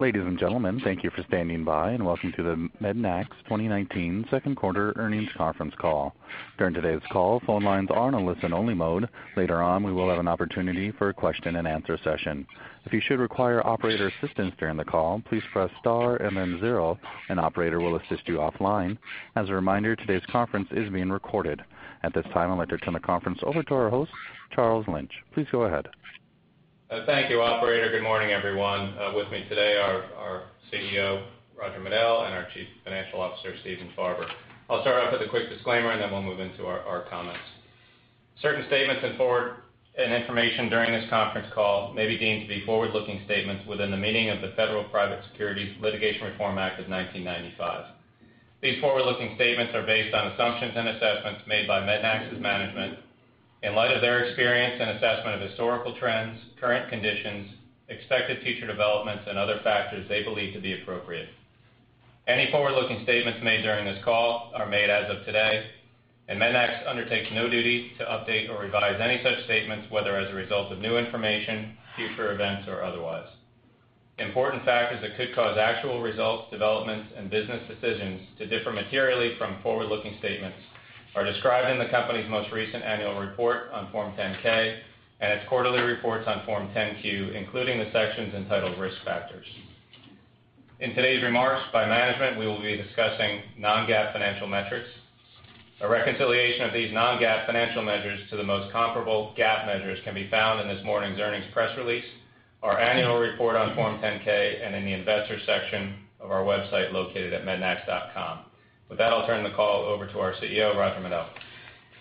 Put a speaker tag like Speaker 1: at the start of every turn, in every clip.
Speaker 1: Ladies and gentlemen, thank you for standing by, welcome to the MEDNAX 2019 second quarter earnings conference call. During today's call, phone lines are in a listen-only mode. Later on, we will have an opportunity for a question and answer session. If you should require operator assistance during the call, please press star and then zero, an operator will assist you offline. As a reminder, today's conference is being recorded. At this time, I'd like to turn the conference over to our host, Charles Lynch. Please go ahead.
Speaker 2: Thank you, operator. Good morning, everyone. With me today are our CEO, Roger Medel, and our Chief Financial Officer, Stephen Farber. I'll start off with a quick disclaimer, and then we'll move into our comments. Certain statements and information during this conference call may be deemed to be forward-looking statements within the meaning of the Federal Private Securities Litigation Reform Act of 1995. These forward-looking statements are based on assumptions and assessments made by MEDNAX's management in light of their experience and assessment of historical trends, current conditions, expected future developments, and other factors they believe to be appropriate. Any forward-looking statements made during this call are made as of today, MEDNAX undertakes no duty to update or revise any such statements, whether as a result of new information, future events, or otherwise. Important factors that could cause actual results, developments, and business decisions to differ materially from forward-looking statements are described in the company's most recent annual report on Form 10-K and its quarterly reports on Form 10-Q, including the sections entitled Risk Factors. In today's remarks by management, we will be discussing non-GAAP financial metrics. A reconciliation of these non-GAAP financial measures to the most comparable GAAP measures can be found in this morning's earnings press release, our annual report on Form 10-K, and in the investor section of our website located at mednax.com. With that, I'll turn the call over to our CEO, Roger Medel.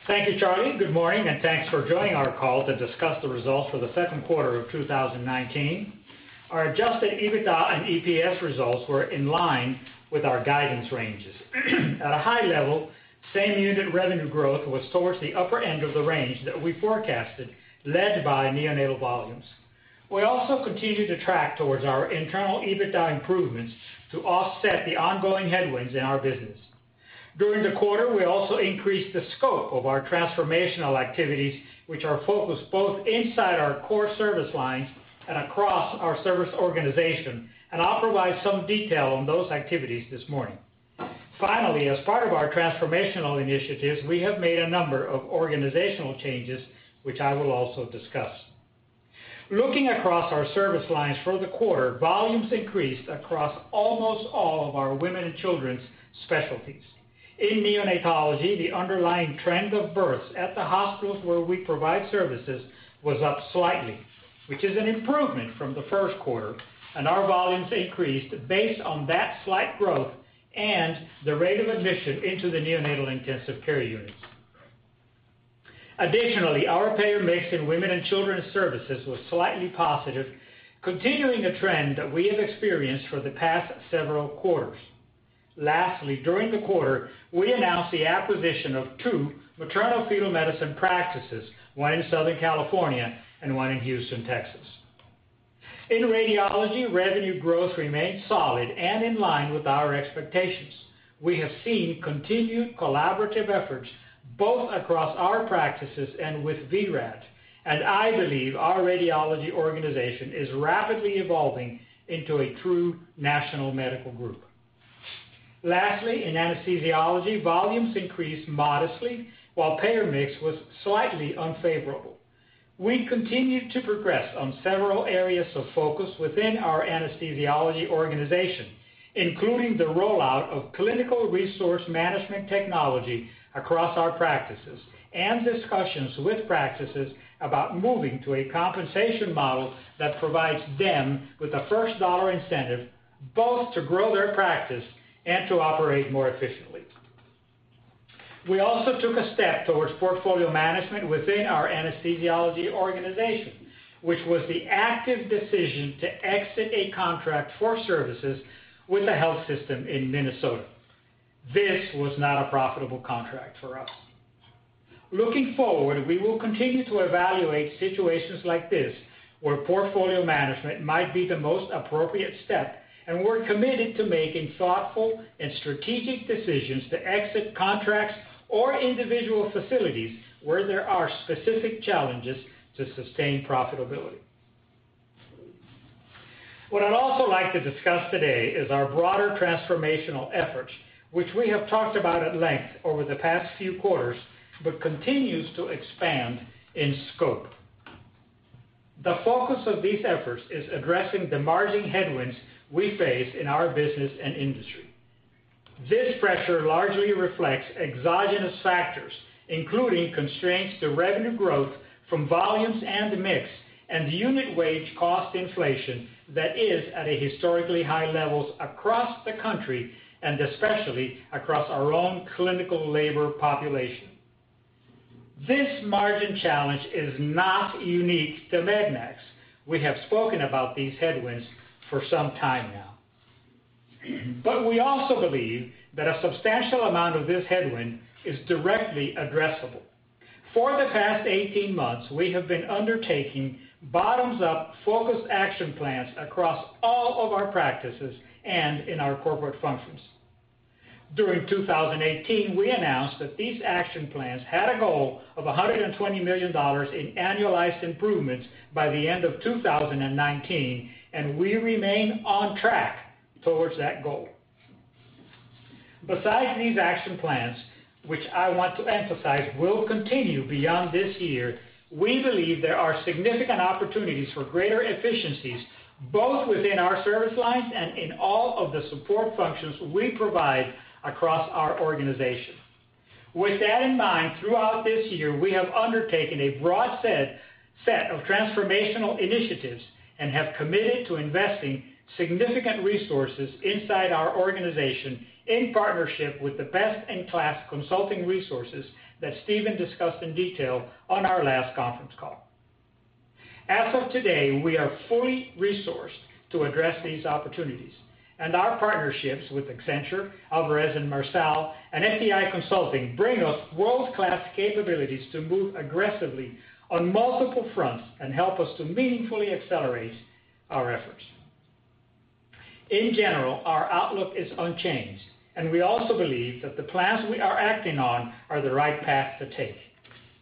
Speaker 3: Thank you, Charlie. Good morning, and thanks for joining our call to discuss the results for the second quarter of 2019. Our adjusted EBITDA and EPS results were in line with our guidance ranges. At a high level, same unit revenue growth was towards the upper end of the range that we forecasted, led by neonatal volumes. We also continue to track towards our internal EBITDA improvements to offset the ongoing headwinds in our business. During the quarter, we also increased the scope of our transformational activities, which are focused both inside our core service lines and across our service organization. I'll provide some detail on those activities this morning. Finally, as part of our transformational initiatives, we have made a number of organizational changes, which I will also discuss. Looking across our service lines for the quarter, volumes increased across almost all of our women and children's specialties. In neonatology, the underlying trend of births at the hospitals where we provide services was up slightly, which is an improvement from the first quarter, and our volumes increased based on that slight growth and the rate of admission into the neonatal intensive care units. Additionally, our payer mix in Women and Children's Services was slightly positive, continuing a trend that we have experienced for the past several quarters. Lastly, during the quarter, we announced the acquisition of two maternal-fetal medicine practices, one in Southern California and one in Houston, Texas. In radiology, revenue growth remained solid and in line with our expectations. We have seen continued collaborative efforts both across our practices and with vRad, and I believe our radiology organization is rapidly evolving into a true national medical group. Lastly, in anesthesiology, volumes increased modestly, while payer mix was slightly unfavorable. We continue to progress on several areas of focus within our anesthesiology organization, including the rollout of clinical resource management technology across our practices and discussions with practices about moving to a compensation model that provides them with a first-dollar incentive, both to grow their practice and to operate more efficiently. We also took a step towards portfolio management within our anesthesiology organization, which was the active decision to exit a contract for services with a health system in Minnesota. This was not a profitable contract for us. Looking forward, we will continue to evaluate situations like this where portfolio management might be the most appropriate step, and we're committed to making thoughtful and strategic decisions to exit contracts or individual facilities where there are specific challenges to sustain profitability. What I'd also like to discuss today is our broader transformational efforts, which we have talked about at length over the past few quarters but continues to expand in scope. The focus of these efforts is addressing the margin headwinds we face in our business and industry. This pressure largely reflects exogenous factors, including constraints to revenue growth from volumes and mix and unit wage cost inflation that is at historically high levels across the country and especially across our own clinical labor population. This margin challenge is not unique to MEDNAX. We have spoken about these headwinds for some time now. We also believe that a substantial amount of this headwind is directly addressable. For the past 18 months, we have been undertaking bottoms-up focused action plans across all of our practices and in our corporate functions. During 2018, we announced that these action plans had a goal of $120 million in annualized improvements by the end of 2019, and we remain on track towards that goal. Besides these action plans, which I want to emphasize will continue beyond this year, we believe there are significant opportunities for greater efficiencies, both within our service lines and in all of the support functions we provide across our organization. With that in mind, throughout this year, we have undertaken a broad set of transformational initiatives and have committed to investing significant resources inside our organization in partnership with the best-in-class consulting resources that Stephen discussed in detail on our last conference call. As of today, we are fully resourced to address these opportunities, and our partnerships with Accenture, Alvarez & Marsal, and FTI Consulting bring us world-class capabilities to move aggressively on multiple fronts and help us to meaningfully accelerate our efforts. In general, our outlook is unchanged, and we also believe that the plans we are acting on are the right path to take.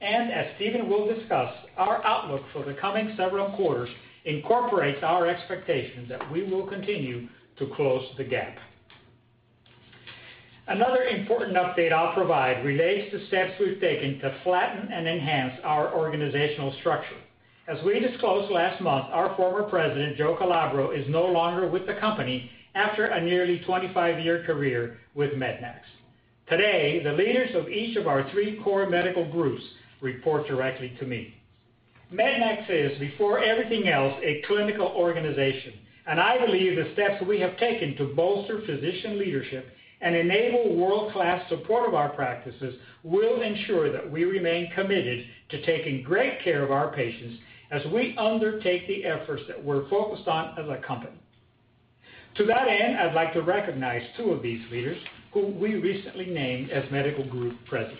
Speaker 3: As Stephen will discuss, our outlook for the coming several quarters incorporates our expectation that we will continue to close the gap. Another important update I'll provide relates to steps we've taken to flatten and enhance our organizational structure. As we disclosed last month, our former president, Joe Calabro, is no longer with the company after a nearly 25-year career with MEDNAX. Today, the leaders of each of our three core medical groups report directly to me. MEDNAX is, before everything else, a clinical organization. I believe the steps we have taken to bolster physician leadership and enable world-class support of our practices will ensure that we remain committed to taking great care of our patients as we undertake the efforts that we're focused on as a company. To that end, I'd like to recognize two of these leaders who we recently named as medical group presidents.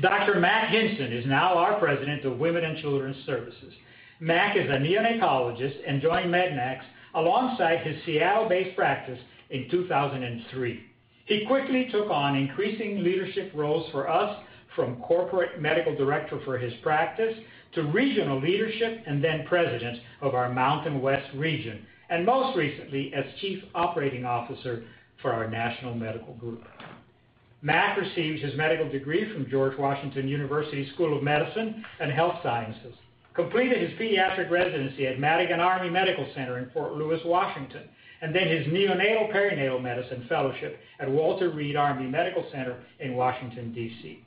Speaker 3: Dr. Mack Hinson is now our President of Women and Children's Services. Mack is a neonatologist and joined MEDNAX alongside his Seattle-based practice in 2003. He quickly took on increasing leadership roles for us, from Corporate Medical Director for his practice to regional leadership, then President of our Mountain West region, most recently as Chief Operating Officer for our national medical group. Mac received his medical degree from George Washington University School of Medicine and Health Sciences, completed his pediatric residency at Madigan Army Medical Center in Fort Lewis, Washington, and then his neonatal-perinatal medicine fellowship at Walter Reed Army Medical Center in Washington, D.C.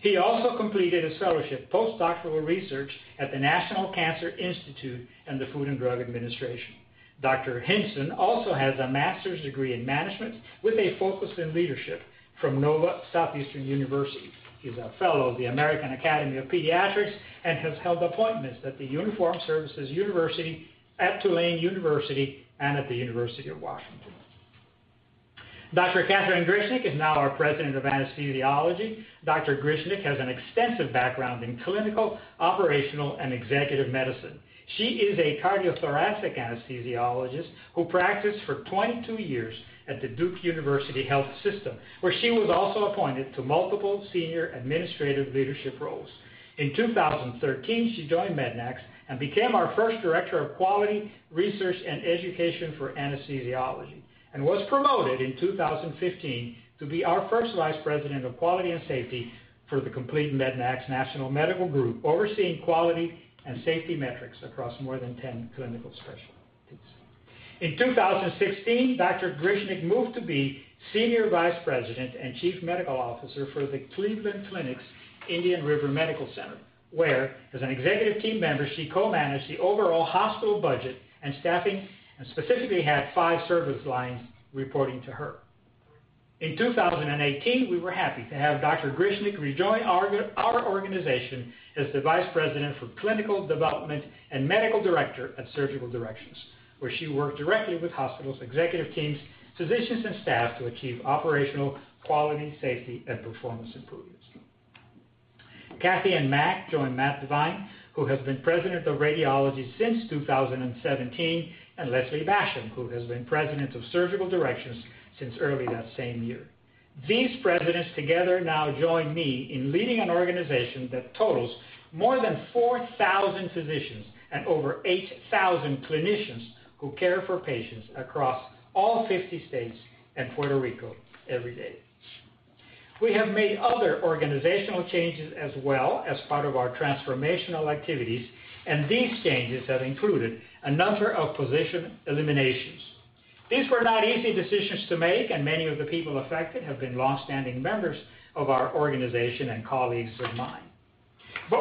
Speaker 3: He also completed a fellowship postdoctoral research at the National Cancer Institute and the Food and Drug Administration. Dr. Hinson also has a master's degree in management with a focus in leadership from Nova Southeastern University. He's a fellow of the American Academy of Pediatrics and has held appointments at the Uniformed Services University, at Tulane University, and at the University of Washington. Dr. Katherine Grichnik is now our President of Anesthesiology. Dr. Grichnik has an extensive background in clinical, operational, and executive medicine. She is a cardiothoracic anesthesiologist who practiced for 22 years at the Duke University Health System, where she was also appointed to multiple senior administrative leadership roles. In 2013, she joined Mednax and became our first director of quality, research, and education for anesthesiology and was promoted in 2015 to be our first vice president of quality and safety for the complete Mednax national medical group, overseeing quality and safety metrics across more than 10 clinical specialties. In 2016, Dr. Grichnik moved to be senior vice president and chief medical officer for the Cleveland Clinic's Indian River Medical Center, where, as an executive team member, she co-managed the overall hospital budget and staffing and specifically had five service lines reporting to her. In 2018, we were happy to have Dr. Grichnik rejoin our organization as the vice president for clinical development and medical director of Surgical Directions, where she worked directly with hospitals, executive teams, physicians, and staff to achieve operational quality, safety, and performance improvements. Kathy and Mac join Matt Devine, who has been President of Radiology since 2017, and Leslie Basham, who has been President of Surgical Directions since early that same year. These presidents together now join me in leading an organization that totals more than 4,000 physicians and over 8,000 clinicians who care for patients across all 50 states and Puerto Rico every day. We have made other organizational changes as well as part of our transformational activities, and these changes have included a number of position eliminations. These were not easy decisions to make, and many of the people affected have been longstanding members of our organization and colleagues of mine.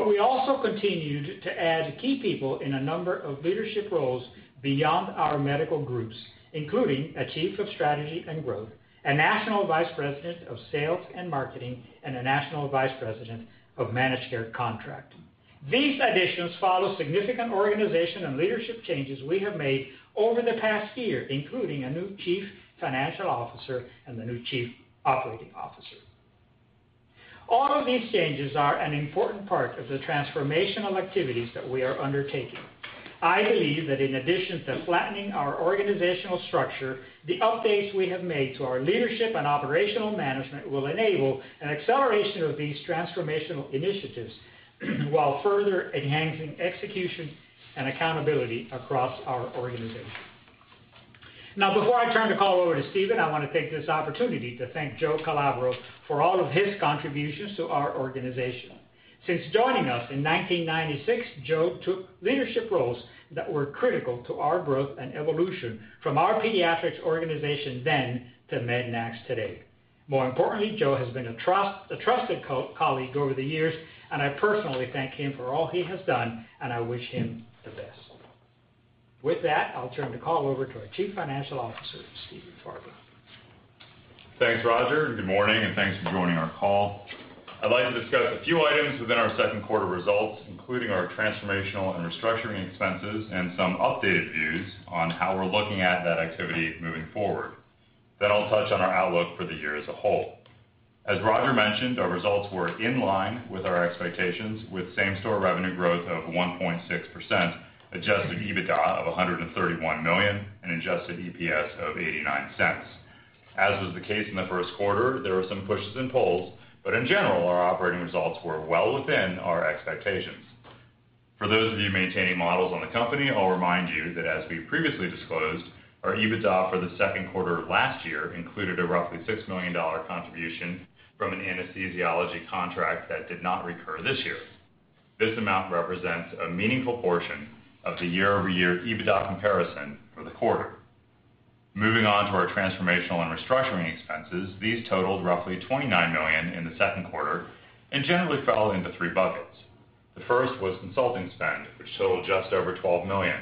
Speaker 3: We also continued to add key people in a number of leadership roles beyond our medical groups, including a Chief of Strategy and Growth, a National Vice President of Sales and Marketing, and a National Vice President of Managed Care Contract. These additions follow significant organization and leadership changes we have made over the past year, including a new Chief Financial Officer and a new Chief Operating Officer. All of these changes are an important part of the transformational activities that we are undertaking. I believe that in addition to flattening our organizational structure, the updates we have made to our leadership and operational management will enable an acceleration of these transformational initiatives while further enhancing execution and accountability across our organization. Now, before I turn the call over to Stephen, I want to take this opportunity to thank Joe Calabro for all of his contributions to our organization. Since joining us in 1996, Joe took leadership roles that were critical to our growth and evolution from our Pediatrix organization then to MEDNAX today. More importantly, Joe has been a trusted colleague over the years, and I personally thank him for all he has done, and I wish him the best. With that, I'll turn the call over to our Chief Financial Officer, Stephen Farber.
Speaker 4: Thanks, Roger. Good morning, and thanks for joining our call. I'd like to discuss a few items within our second quarter results, including our transformational and restructuring expenses and some updated views on how we're looking at that activity moving forward. I'll touch on our outlook for the year as a whole. As Roger mentioned, our results were in line with our expectations, with same-store revenue growth of 1.6%, adjusted EBITDA of $131 million, and adjusted EPS of $0.89. As was the case in the first quarter, there were some pushes and pulls, but in general, our operating results were well within our expectations. For those of you maintaining models on the company, I'll remind you that as we previously disclosed, our EBITDA for the second quarter of last year included a roughly $6 million contribution from an anesthesiology contract that did not recur this year. This amount represents a meaningful portion of the year-over-year EBITDA comparison for the quarter. Moving on to our transformational and restructuring expenses, these totaled roughly $29 million in the second quarter and generally fell into three buckets. The first was consulting spend, which totaled just over $12 million,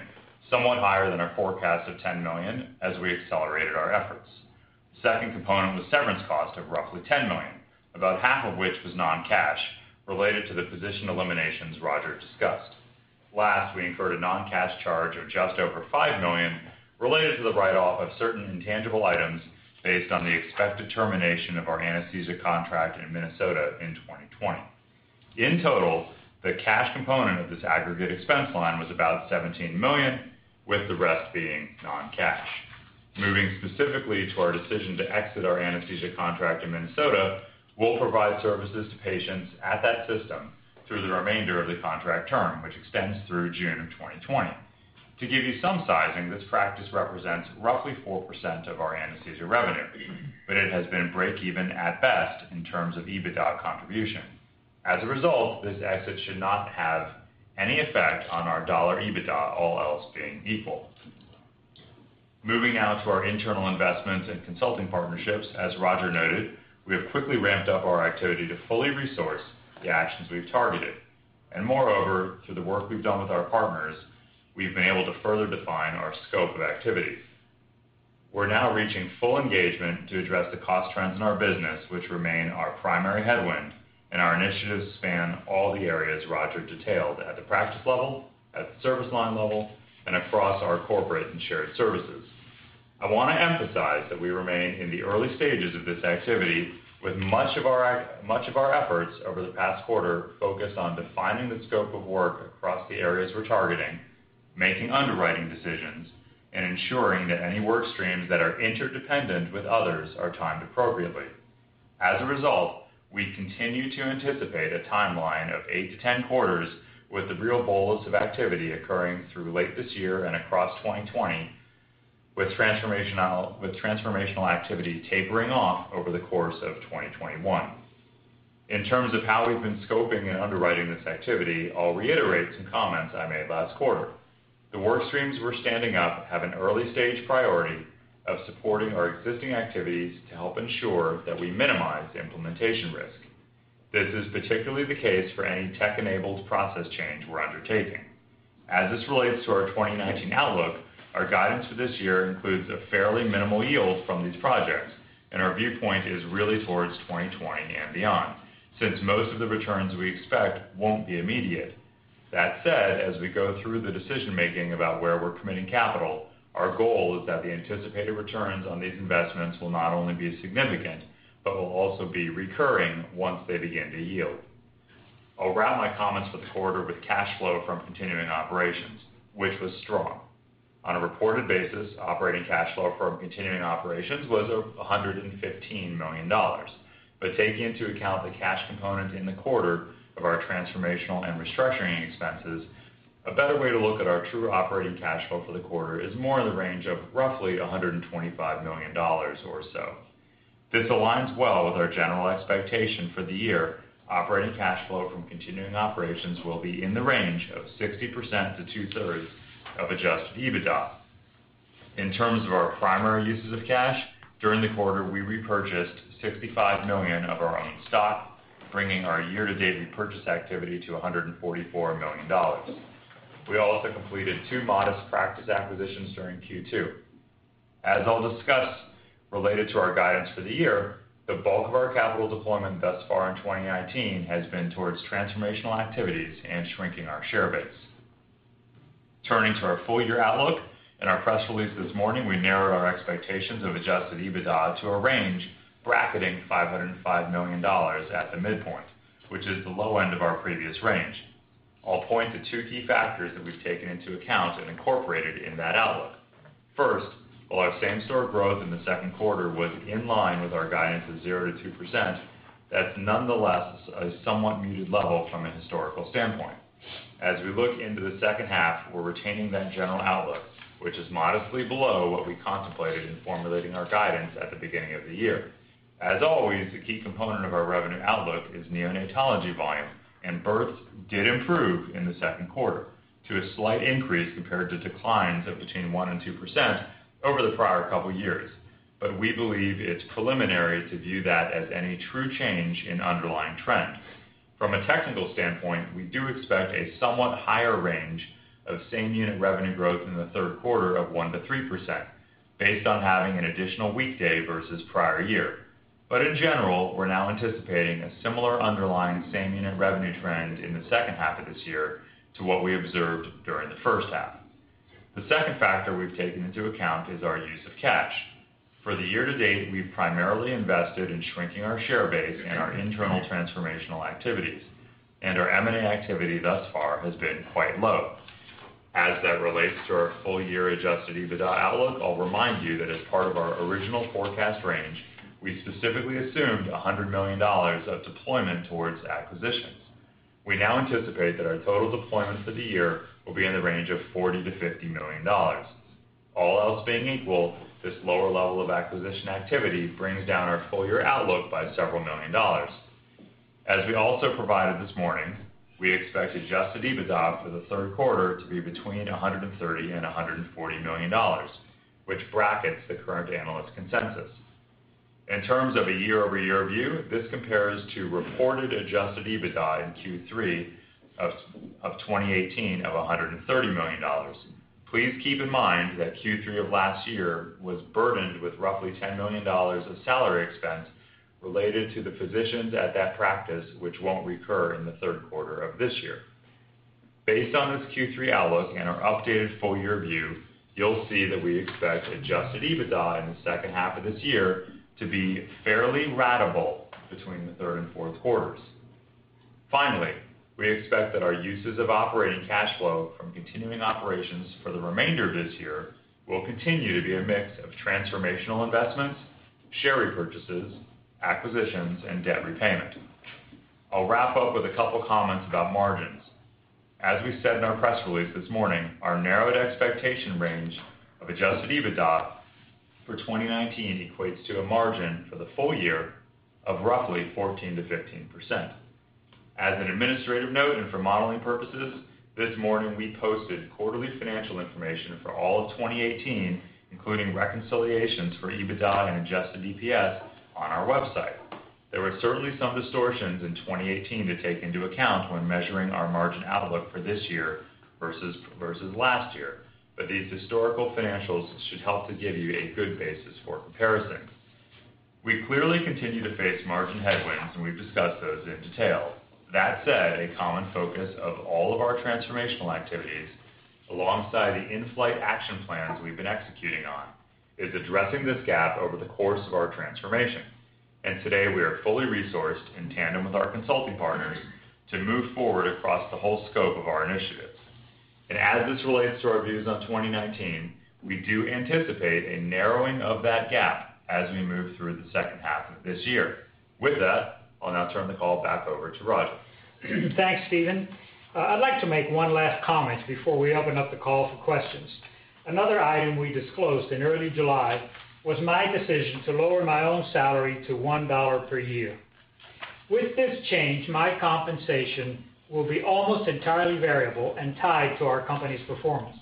Speaker 4: somewhat higher than our forecast of $10 million as we accelerated our efforts. The second component was severance cost of roughly $10 million, about half of which was non-cash related to the position eliminations Roger discussed. Last, we incurred a non-cash charge of just over $5 million related to the write-off of certain intangible items based on the expected termination of our anesthesia contract in Minnesota in 2020. In total, the cash component of this aggregate expense line was about $17 million, with the rest being non-cash. Moving specifically to our decision to exit our anesthesia contract in Minnesota, we'll provide services to patients at that system through the remainder of the contract term, which extends through June of 2020. To give you some sizing, this practice represents roughly 4% of our anesthesia revenue, but it has been break-even at best in terms of EBITDA contribution. As a result, this exit should not have any effect on our dollar EBITDA, all else being equal. Moving now to our internal investments and consulting partnerships, as Roger noted, we have quickly ramped up our activity to fully resource the actions we've targeted. Moreover, through the work we've done with our partners, we've been able to further define our scope of activities. We're now reaching full engagement to address the cost trends in our business, which remain our primary headwind, and our initiatives span all the areas Roger detailed at the practice level, at the service line level, and across our corporate and shared services. I want to emphasize that we remain in the early stages of this activity, with much of our efforts over the past quarter focused on defining the scope of work across the areas we're targeting, making underwriting decisions, and ensuring that any work streams that are interdependent with others are timed appropriately. As a result, we continue to anticipate a timeline of 8-10 quarters with the real bolus of activity occurring through late this year and across 2020, with transformational activity tapering off over the course of 2021. In terms of how we've been scoping and underwriting this activity, I'll reiterate some comments I made last quarter. The work streams we're standing up have an early-stage priority of supporting our existing activities to help ensure that we minimize implementation risk. This is particularly the case for any tech-enabled process change we're undertaking. As this relates to our 2019 outlook, our guidance for this year includes a fairly minimal yield from these projects, and our viewpoint is really towards 2020 and beyond, since most of the returns we expect won't be immediate. That said, as we go through the decision-making about where we're committing capital, our goal is that the anticipated returns on these investments will not only be significant but will also be recurring once they begin to yield. I'll wrap my comments for the quarter with cash flow from continuing operations, which was strong. On a reported basis, operating cash flow from continuing operations was $115 million. Taking into account the cash component in the quarter of our transformational and restructuring expenses, a better way to look at our true operating cash flow for the quarter is more in the range of roughly $125 million or so. This aligns well with our general expectation for the year. Operating cash flow from continuing operations will be in the range of 60% to two-thirds of adjusted EBITDA. In terms of our primary uses of cash, during the quarter, we repurchased $65 million of our own stock, bringing our year-to-date repurchase activity to $144 million. We also completed two modest practice acquisitions during Q2. As I'll discuss, related to our guidance for the year, the bulk of our capital deployment thus far in 2019 has been towards transformational activities and shrinking our share base. Turning to our full-year outlook, in our press release this morning, we narrowed our expectations of adjusted EBITDA to a range bracketing $505 million at the midpoint, which is the low end of our previous range. I'll point to two key factors that we've taken into account and incorporated in that outlook. First, while our same-store growth in the second quarter was in line with our guidance of 0%-2%, that's nonetheless a somewhat muted level from a historical standpoint. As we look into the second half, we're retaining that general outlook, which is modestly below what we contemplated in formulating our guidance at the beginning of the year. As always, the key component of our revenue outlook is neonatology volume. Births did improve in the second quarter to a slight increase compared to declines of between 1% and 2% over the prior couple years. We believe it's preliminary to view that as any true change in underlying trend. From a technical standpoint, we do expect a somewhat higher range of same-unit revenue growth in the third quarter of 1% to 3%, based on having an additional weekday versus prior year. In general, we're now anticipating a similar underlying same-unit revenue trend in the second half of this year to what we observed during the first half. The second factor we've taken into account is our use of cash. For the year to date, we've primarily invested in shrinking our share base and our internal transformational activities, and our M&A activity thus far has been quite low. As that relates to our full-year adjusted EBITDA outlook, I'll remind you that as part of our original forecast range, we specifically assumed $100 million of deployment towards acquisitions. We now anticipate that our total deployments for the year will be in the range of $40-$50 million. All else being equal, this lower level of acquisition activity brings down our full-year outlook by several million dollars. As we also provided this morning, we expect adjusted EBITDA for the third quarter to be between $130 and $140 million, which brackets the current analyst consensus. In terms of a year-over-year view, this compares to reported adjusted EBITDA in Q3 of 2018 of $130 million. Please keep in mind that Q3 of last year was burdened with roughly $10 million of salary expense related to the physicians at that practice, which won't recur in the third quarter of this year. Based on this Q3 outlook and our updated full-year view, you'll see that we expect adjusted EBITDA in the second half of this year to be fairly ratable between the third and fourth quarters. Finally, we expect that our uses of operating cash flow from continuing operations for the remainder of this year will continue to be a mix of transformational investments, share repurchases, acquisitions, and debt repayment. I'll wrap up with a couple comments about margins. As we said in our press release this morning, our narrowed expectation range of adjusted EBITDA for 2019 equates to a margin for the full year of roughly 14%-15%. As an administrative note and for modeling purposes, this morning, we posted quarterly financial information for all of 2018, including reconciliations for EBITDA and adjusted EPS on our website. There were certainly some distortions in 2018 to take into account when measuring our margin outlook for this year versus last year. These historical financials should help to give you a good basis for comparison. We clearly continue to face margin headwinds, and we've discussed those in detail. That said, a common focus of all of our transformational activities, alongside the in-flight action plans we've been executing on, is addressing this gap over the course of our transformation. Today, we are fully resourced in tandem with our consulting partners to move forward across the whole scope of our initiatives. As this relates to our views on 2019, we do anticipate a narrowing of that gap as we move through the second half of this year. With that, I'll now turn the call back over to Roger.
Speaker 3: Thanks, Stephen. I'd like to make one last comment before we open up the call for questions. Another item we disclosed in early July was my decision to lower my own salary to $1 per year. With this change, my compensation will be almost entirely variable and tied to our company's performance.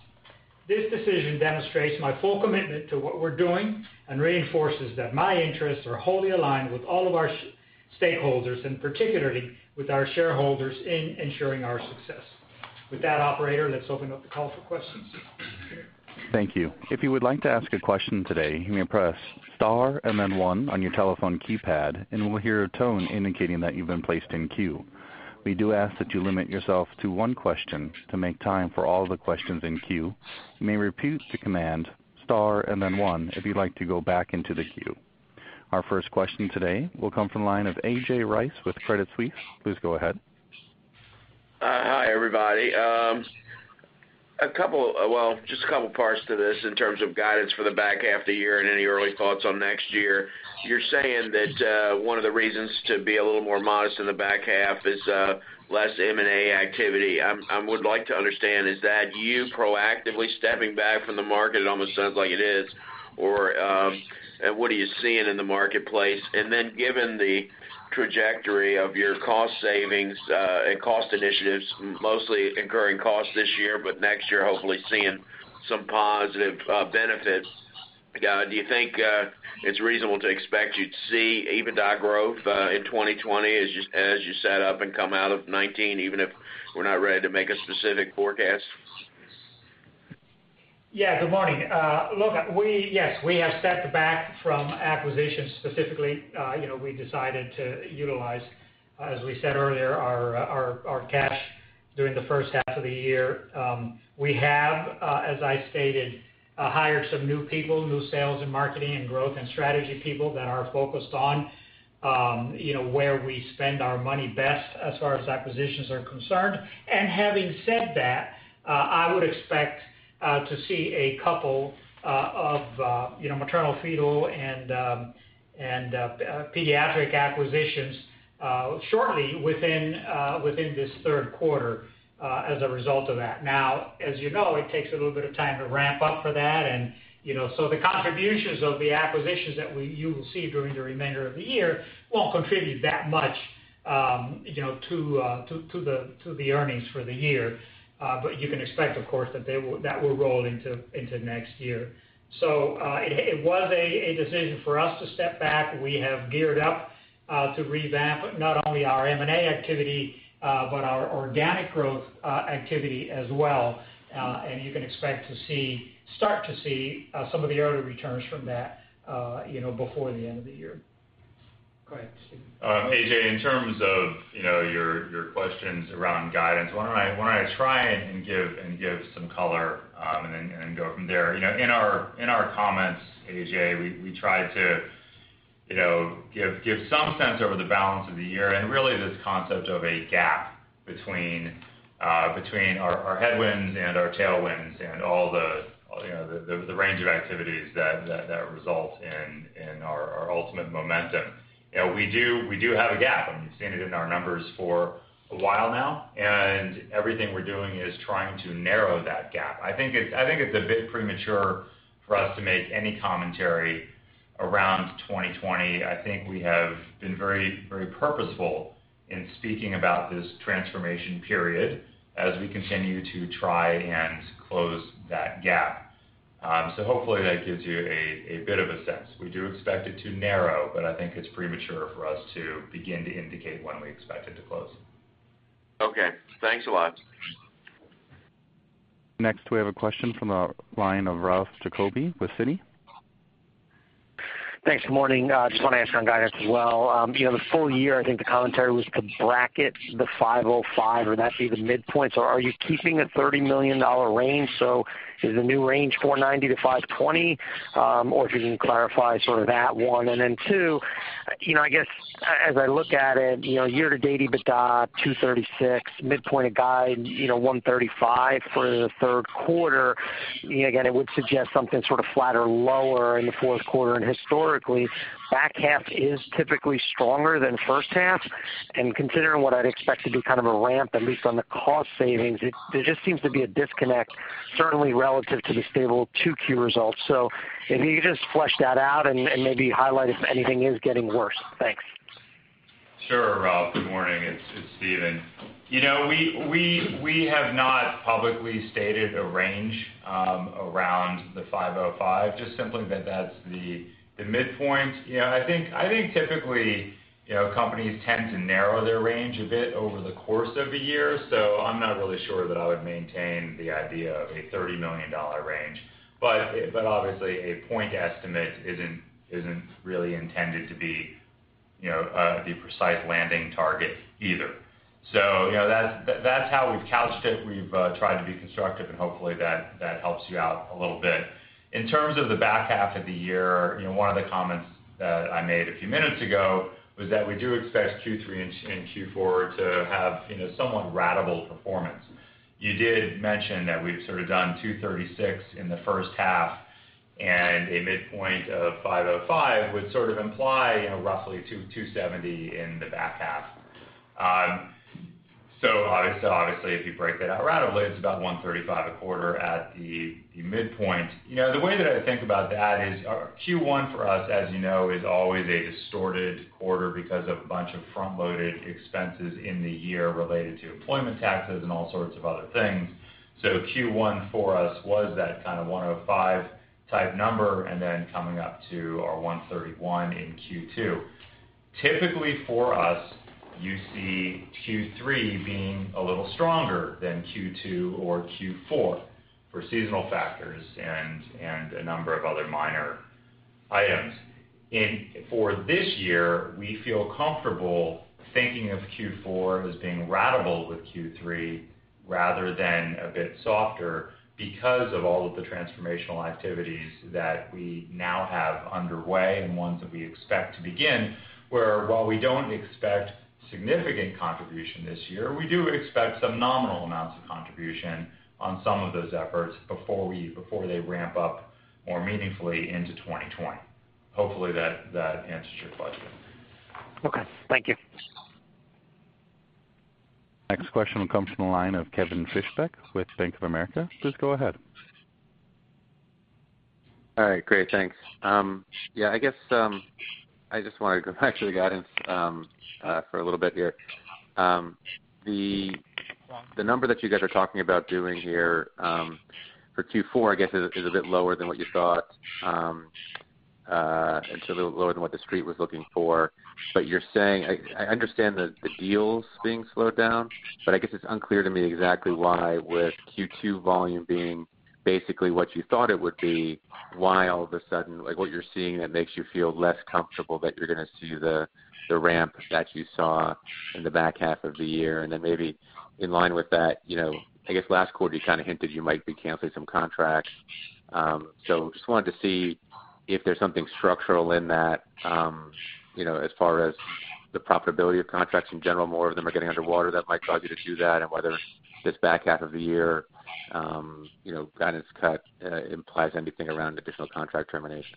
Speaker 3: This decision demonstrates my full commitment to what we're doing and reinforces that my interests are wholly aligned with all of our stakeholders, and particularly with our shareholders in ensuring our success. With that, operator, let's open up the call for questions.
Speaker 1: Thank you. If you would like to ask a question today, you may press star and then one on your telephone keypad, and you will hear a tone indicating that you've been placed in queue. We do ask that you limit yourself to one question to make time for all the questions in queue. You may repeat the command, star and then one, if you'd like to go back into the queue. Our first question today will come from the line of A.J. Rice with Credit Suisse. Please go ahead.
Speaker 5: Hi, everybody. Just a couple parts to this in terms of guidance for the back half of the year and any early thoughts on next year. You're saying that one of the reasons to be a little more modest in the back half is less M&A activity. I would like to understand, is that you proactively stepping back from the market? It almost sounds like it is. What are you seeing in the marketplace? Given the trajectory of your cost savings and cost initiatives, mostly incurring costs this year, but next year, hopefully seeing some positive benefits, do you think it's reasonable to expect you'd see EBITDA growth in 2020 as you set up and come out of 2019, even if we're not ready to make a specific forecast?
Speaker 3: Yeah. Good morning. Look, yes, we have stepped back from acquisitions specifically. We decided to utilize, as we said earlier, our cash during the first half of the year. We have, as I stated, hired some new people, new sales and marketing and growth and strategy people that are focused on where we spend our money best as far as acquisitions are concerned. Having said that, I would expect to see a couple of maternal-fetal and pediatric acquisitions shortly within this third quarter as a result of that. As you know, it takes a little bit of time to ramp up for that. The contributions of the acquisitions that you will see during the remainder of the year won't contribute that much to the earnings for the year. You can expect, of course, that that will roll into next year. It was a decision for us to step back. We have geared up to revamp not only our M&A activity, but our organic growth activity as well. You can expect to start to see some of the early returns from that before the end of the year. Go ahead, Stephen.
Speaker 4: A.J., in terms of your questions around guidance, why don't I try and give some color and then go from there. In our comments, A.J., we tried to give some sense over the balance of the year and really this concept of a gap between our headwinds and our tailwinds and all the range of activities that result in our ultimate momentum. We do have a gap, and you've seen it in our numbers for a while now, and everything we're doing is trying to narrow that gap. I think it's a bit premature for us to make any commentary around 2020. I think we have been very purposeful in speaking about this transformation period as we continue to try and close that gap. Hopefully that gives you a bit of a sense. We do expect it to narrow, but I think it's premature for us to begin to indicate when we expect it to close.
Speaker 5: Okay. Thanks a lot.
Speaker 1: Next, we have a question from the line of Ralph Jacobe with Citi.
Speaker 6: Thanks. Morning. Just want to ask on guidance as well. The full year, I think the commentary was to bracket the $505 or that's the midpoint. Are you keeping the $30 million range? Is the new range $490-$520? If you can clarify sort of that one. Two, I guess as I look at it, year to date, EBITDA $236, midpoint of guide, $135 for the third quarter. Again, it would suggest something sort of flat or lower in the fourth quarter. Historically, back half is typically stronger than first half. Considering what I'd expect to be kind of a ramp, at least on the cost savings, there just seems to be a disconnect, certainly relative to the stable 2Q results. If you could just flesh that out and maybe highlight if anything is getting worse. Thanks.
Speaker 4: Sure, Ralph. Good morning. It's Stephen. We have not publicly stated a range around the 505, just simply that that's the midpoint. I think typically, companies tend to narrow their range a bit over the course of a year. I'm not really sure that I would maintain the idea of a $30 million range. Obviously a point estimate isn't really intended to be the precise landing target either. That's how we've couched it. We've tried to be constructive and hopefully that helps you out a little bit. In terms of the back half of the year, one of the comments that I made a few minutes ago was that we do expect Q3 and Q4 to have somewhat ratable performance. You did mention that we've sort of done $236 in the first half and a midpoint of $505 would sort of imply roughly $270 in the back half. Obviously, if you break that out, ratably it's about $135 a quarter at the midpoint. The way that I think about that is Q1 for us, as you know, is always a distorted quarter because of a bunch of front-loaded expenses in the year related to employment taxes and all sorts of other things. Q1 for us was that kind of $105 type number, and then coming up to our $131 in Q2. Typically for us, you see Q3 being a little stronger than Q2 or Q4 for seasonal factors and a number of other minor items. For this year, we feel comfortable thinking of Q4 as being ratable with Q3 rather than a bit softer because of all of the transformational activities that we now have underway and ones that we expect to begin, where while we don't expect significant contribution this year, we do expect some nominal amounts of contribution on some of those efforts before they ramp up more meaningfully into 2020. Hopefully that answers your question.
Speaker 6: Okay. Thank you.
Speaker 1: Next question comes from the line of Kevin Fischbeck with Bank of America. Please go ahead.
Speaker 7: All right. Great, thanks. I guess I just want to go back to the guidance for a little bit here. The number that you guys are talking about doing here for Q4, I guess is a bit lower than what you thought, little lower than what the street was looking for. You're saying I understand that the deals being slowed down, but I guess it's unclear to me exactly why, with Q2 volume being basically what you thought it would be, why all of a sudden, what you're seeing that makes you feel less comfortable that you're going to see the ramp that you saw in the back half of the year. Maybe in line with that, I guess last quarter you kind of hinted you might be canceling some contracts. Just wanted to see if there's something structural in that, as far as the profitability of contracts in general, more of them are getting underwater that might cause you to do that, and whether this back half of the year guidance cut implies anything around additional contract terminations?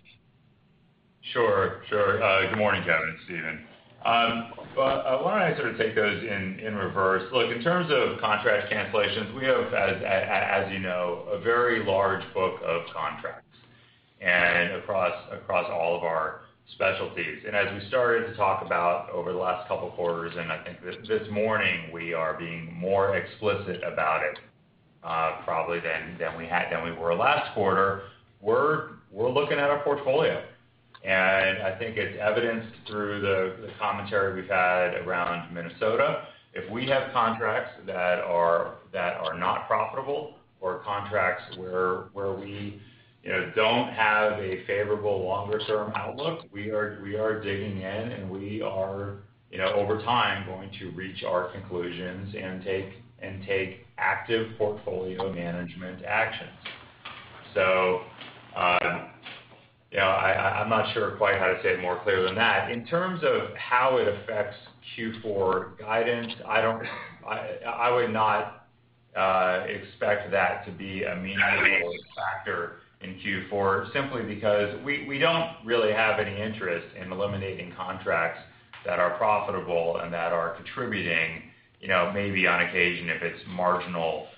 Speaker 4: Good morning, Kevin, it's Stephen. Why don't I sort of take those in reverse. In terms of contract cancellations, we have, as you know, a very large book of contracts and across all of our specialties. As we started to talk about over the last couple of quarters, and I think this morning, we are being more explicit about it probably than we were last quarter. We're looking at our portfolio, and I think it's evidenced through the commentary we've had around Minnesota. If we have contracts that are not profitable or contracts where we don't have a favorable longer-term outlook, we are digging in and we are, over time, going to reach our conclusions and take active portfolio management actions. I'm not sure quite how to say it more clearly than that. In terms of how it affects Q4 guidance, I would not expect that to be a meaningful factor in Q4, simply because we don't really have any interest in eliminating contracts that are profitable and that are contributing. Maybe on occasion, if it's marginal,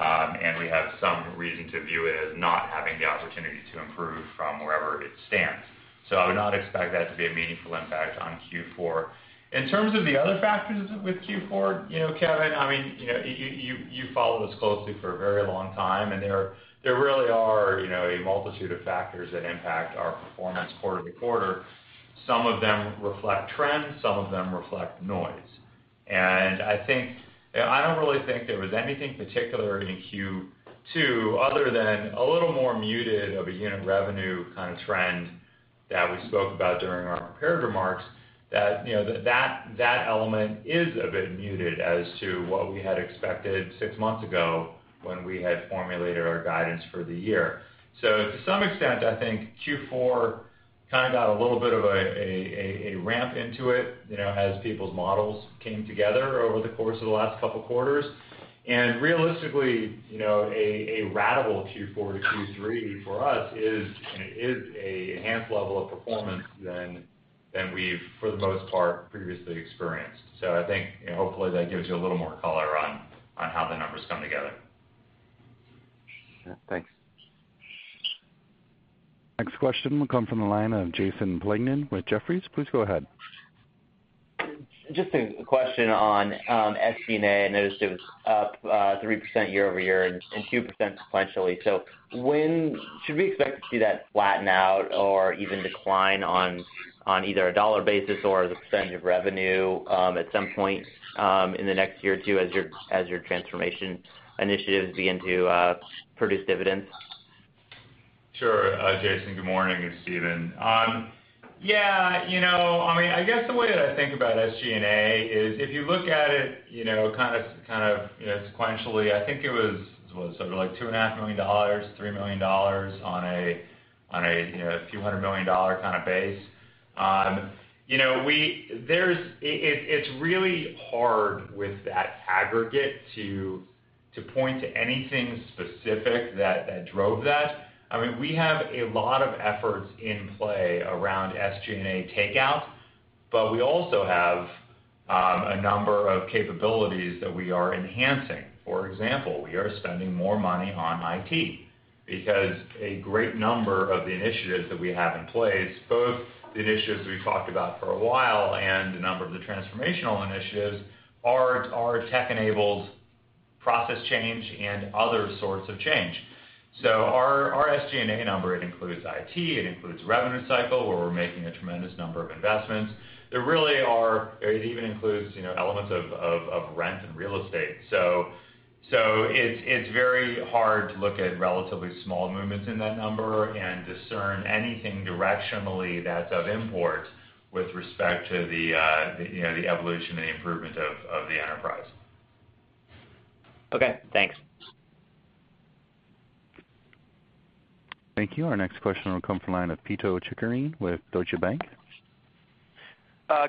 Speaker 4: and we have some reason to view it as not having the opportunity to improve from wherever it stands. I would not expect that to be a meaningful impact on Q4. In terms of the other factors with Q4, Kevin, you followed us closely for a very long time, there really are a multitude of factors that impact our performance quarter to quarter. Some of them reflect trends, some of them reflect noise. I don't really think there was anything particular in Q2 other than a little more muted of a unit revenue kind of trend that we spoke about during our prepared remarks, that element is a bit muted as to what we had expected six months ago when we had formulated our guidance for the year. To some extent, I think Q4 kind of got a little bit of a ramp into it as people's models came together over the course of the last couple of quarters. Realistically, a ratable Q4 to Q3 for us is an enhanced level of performance than we've, for the most part, previously experienced. I think hopefully that gives you a little more color on how the numbers come together.
Speaker 7: Yeah. Thanks.
Speaker 1: Next question will come from the line of Jason Plagman with Jefferies. Please go ahead.
Speaker 8: Just a question on SG&A. I noticed it was up 3% year-over-year and 2% sequentially. Should we expect to see that flatten out or even decline on either a dollar basis or as a % of revenue at some point in the next year or two as your transformation initiatives begin to produce dividends?
Speaker 4: Sure. Jason, good morning. It's Stephen. I guess the way that I think about SG&A is if you look at it kind of sequentially, I think it was, what was it? Something like $2.5 million, $3 million on a few hundred million dollar kind of base. It's really hard with that aggregate to point to anything specific that drove that. We have a lot of efforts in play around SG&A takeout, we also have a number of capabilities that we are enhancing. For example, we are spending more money on IT because a great number of the initiatives that we have in place, both the initiatives we've talked about for a while and a number of the transformational initiatives, are tech-enabled process change and other sorts of change. Our SG&A number, it includes IT, it includes revenue cycle, where we're making a tremendous number of investments. It even includes elements of rent and real estate. It's very hard to look at relatively small movements in that number and discern anything directionally that's of import with respect to the evolution and the improvement of the enterprise.
Speaker 8: Okay, thanks.
Speaker 1: Thank you. Our next question will come from the line of Pito Chickering with Deutsche Bank.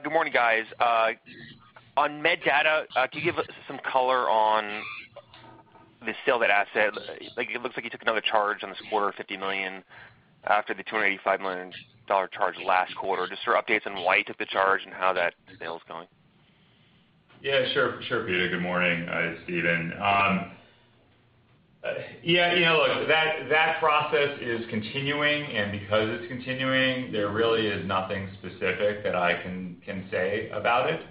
Speaker 9: Good morning, guys. On MedData, can you give us some color on the sale of that asset? It looks like you took another charge on this quarter of $50 million after the $285 million charge last quarter. Just for updates on why you took the charge and how that sale is going.
Speaker 4: Yeah, sure, Pito. Good morning. It's Stephen. Yeah. Look, that process is continuing. Because it's continuing, there really is nothing specific that I can say about it.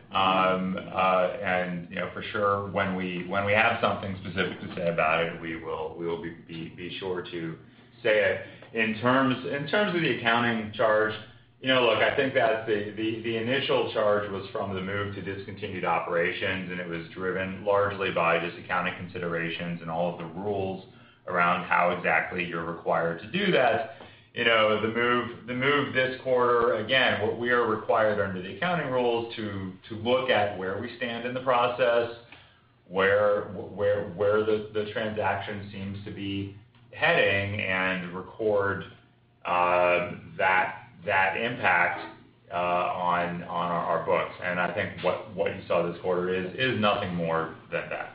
Speaker 4: For sure, when we have something specific to say about it, we will be sure to say it. In terms of the accounting charge, look, I think that the initial charge was from the move to discontinued operations, and it was driven largely by just accounting considerations and all of the rules around how exactly you're required to do that. The move this quarter, again, what we are required under the accounting rules to look at where we stand in the process, where the transaction seems to be heading, and record that impact on our books. I think what you saw this quarter is nothing more than that.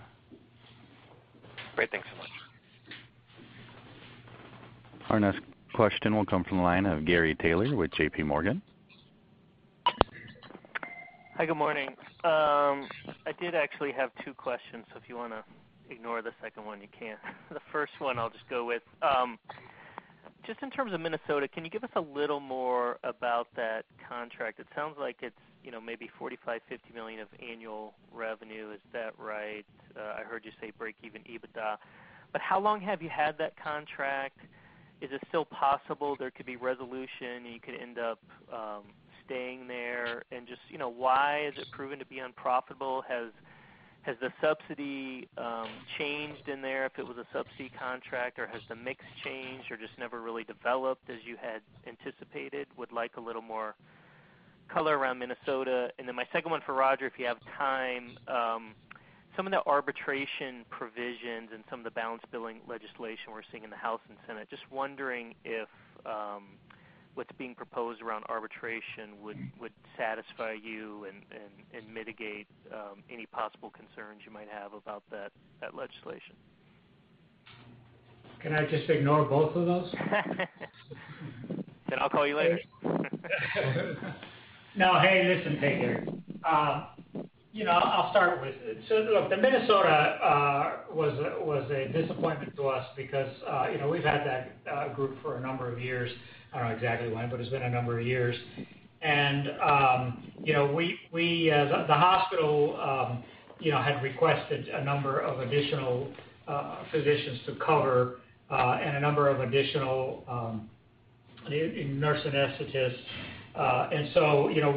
Speaker 9: Great. Thanks so much.
Speaker 1: Our next question will come from the line of Gary Taylor with J.P. Morgan.
Speaker 10: Hi. Good morning. I did actually have two questions. If you want to ignore the second one, you can. The first one I'll just go with. Just in terms of Minnesota, can you give us a little more about that contract? It sounds like it's maybe $45 million-$50 million of annual revenue. Is that right? I heard you say break even EBITDA. How long have you had that contract? Is it still possible there could be resolution, and you could end up staying there? Just why is it proven to be unprofitable? Has the subsidy changed in there, if it was a subsidy contract, or has the mix changed or just never really developed as you had anticipated? Would like a little more color around Minnesota. My second one for Roger, if you have time. Some of the arbitration provisions and some of the balance billing legislation we're seeing in the House and Senate, just wondering if what's being proposed around arbitration would satisfy you and mitigate any possible concerns you might have about that legislation?
Speaker 3: Can I just ignore both of those?
Speaker 10: I'll call you later.
Speaker 3: Hey, listen, Gary. I'll start with it. Look, the Minnesota was a disappointment to us because we've had that group for a number of years. I don't know exactly when, but it's been a number of years. The hospital had requested a number of additional physicians to cover and a number of additional nurse anesthetists.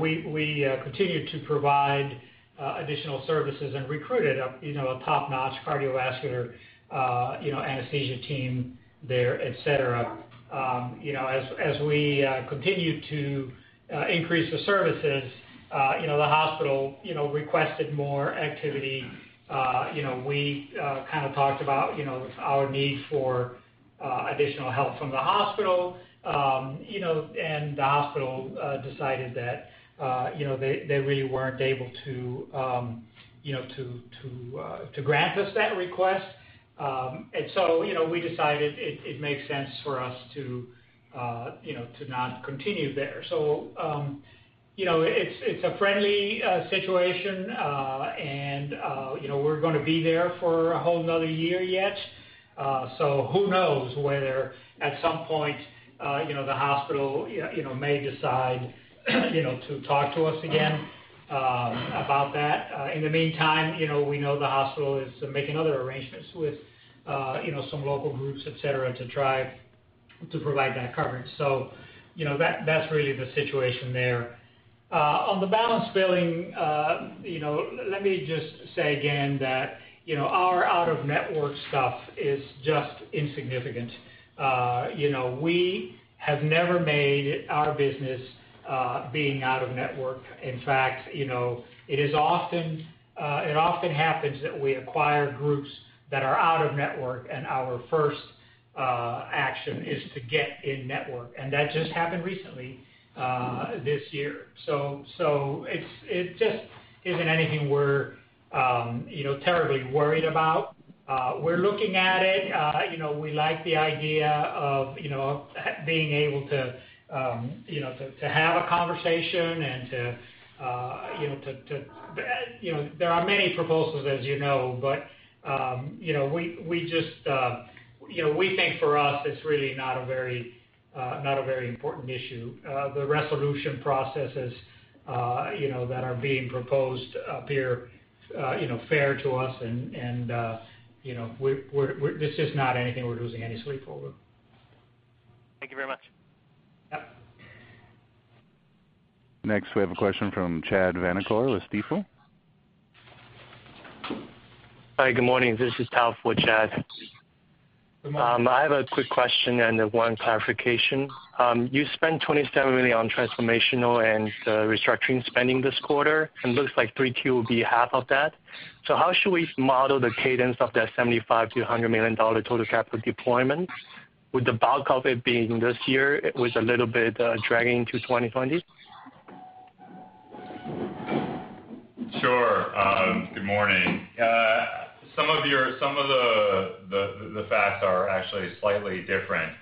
Speaker 3: We continued to provide additional services and recruited a top-notch cardiovascular anesthesia team there, et cetera. As we continued to increase the services, the hospital requested more activity. We kind of talked about our need for additional help from the hospital, and the hospital decided that they really weren't able to grant us that request. We decided it makes sense for us to not continue there. It's a friendly situation, and we're going to be there for a whole another year yet. Who knows whether at some point the hospital may decide to talk to us again about that. In the meantime, we know the hospital is making other arrangements with some local groups, et cetera, to try to provide that coverage. That's really the situation there. On the balance billing, let me just say again that our out-of-network stuff is just insignificant. We have never made our business being out-of-network. In fact, it often happens that we acquire groups that are out-of-network, and our first action is to get in-network. That just happened recently, this year. It just isn't anything we're terribly worried about. We're looking at it. We like the idea of being able to have a conversation. There are many proposals, as you know. We think for us it's really not a very important issue. The resolution processes that are being proposed appear fair to us. This is not anything we're losing any sleep over.
Speaker 10: Thank you very much.
Speaker 3: Yep.
Speaker 1: Next, we have a question from Chad Vanacore with Stifel.
Speaker 11: Hi, good morning. This is Tao for Chad.
Speaker 3: Good morning.
Speaker 11: I have a quick question and one clarification. You spent $27 million on transformational and restructuring spending this quarter, and looks like 3Q will be half of that. How should we model the cadence of that $75 million-$100 million total capital deployment with the bulk of it being this year with a little bit dragging to 2020?
Speaker 3: Sure. Good morning.
Speaker 4: Actually slightly different.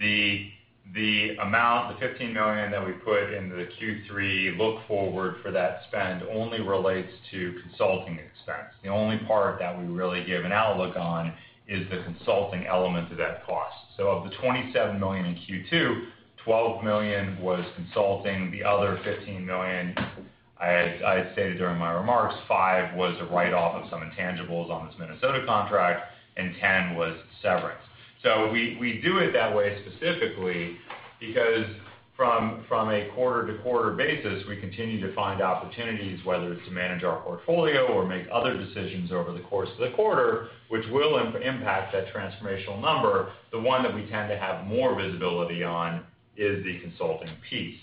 Speaker 4: The amount, the $15 million that we put into the Q3 look forward for that spend only relates to consulting expense. The only part that we really give an outlook on is the consulting element of that cost. Of the $27 million in Q2, $12 million was consulting. The other $15 million, I had stated during my remarks, $5 million was the write-off of some intangibles on this Minnesota contract, and $10 million was severance. We do it that way specifically because from a quarter-to-quarter basis, we continue to find opportunities, whether it's to manage our portfolio or make other decisions over the course of the quarter, which will impact that transformational number. The one that we tend to have more visibility on is the consulting piece.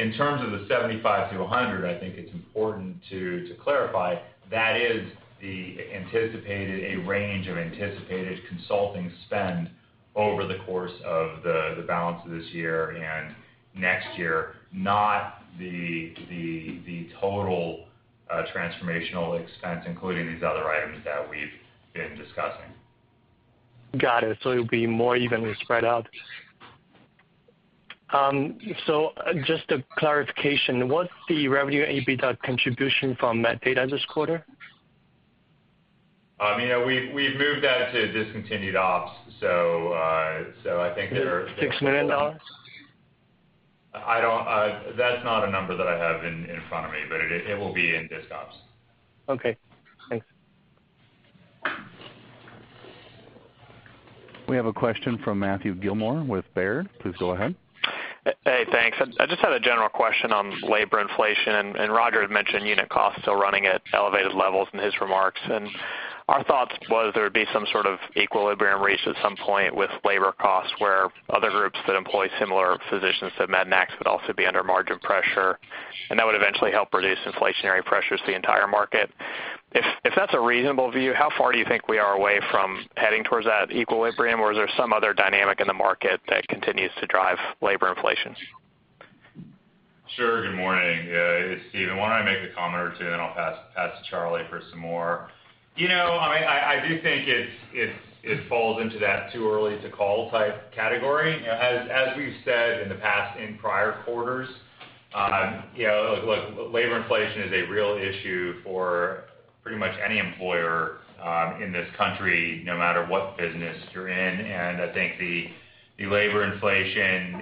Speaker 4: In terms of the $75-$100, I think it's important to clarify, that is a range of anticipated consulting spend over the course of the balance of this year and next year, not the total transformational expense, including these other items that we've been discussing.
Speaker 11: Got it. It'll be more evenly spread out. Just a clarification, what's the revenue AP contribution from MedData this quarter?
Speaker 4: We've moved that to discontinued ops.
Speaker 11: $6 million?
Speaker 4: That's not a number that I have in front of me, but it will be in discontinued operations.
Speaker 11: Okay, thanks.
Speaker 1: We have a question from Matthew Gilmore with Baird. Please go ahead.
Speaker 12: Hey, thanks. I just had a general question on labor inflation, and Roger had mentioned unit costs still running at elevated levels in his remarks. Our thoughts was there would be some sort of equilibrium reached at some point with labor costs, where other groups that employ similar physicians to Pediatrix Medical Group would also be under margin pressure, and that would eventually help reduce inflationary pressures to the entire market. If that's a reasonable view, how far do you think we are away from heading towards that equilibrium? Is there some other dynamic in the market that continues to drive labor inflation?
Speaker 4: Sure. Good morning. It's Stephen. Why don't I make a comment or two, then I'll pass to Charlie for some more. I do think it falls into that too early to call type category. As we've said in the past, in prior quarters, labor inflation is a real issue for pretty much any employer in this country, no matter what business you're in. I think the labor inflation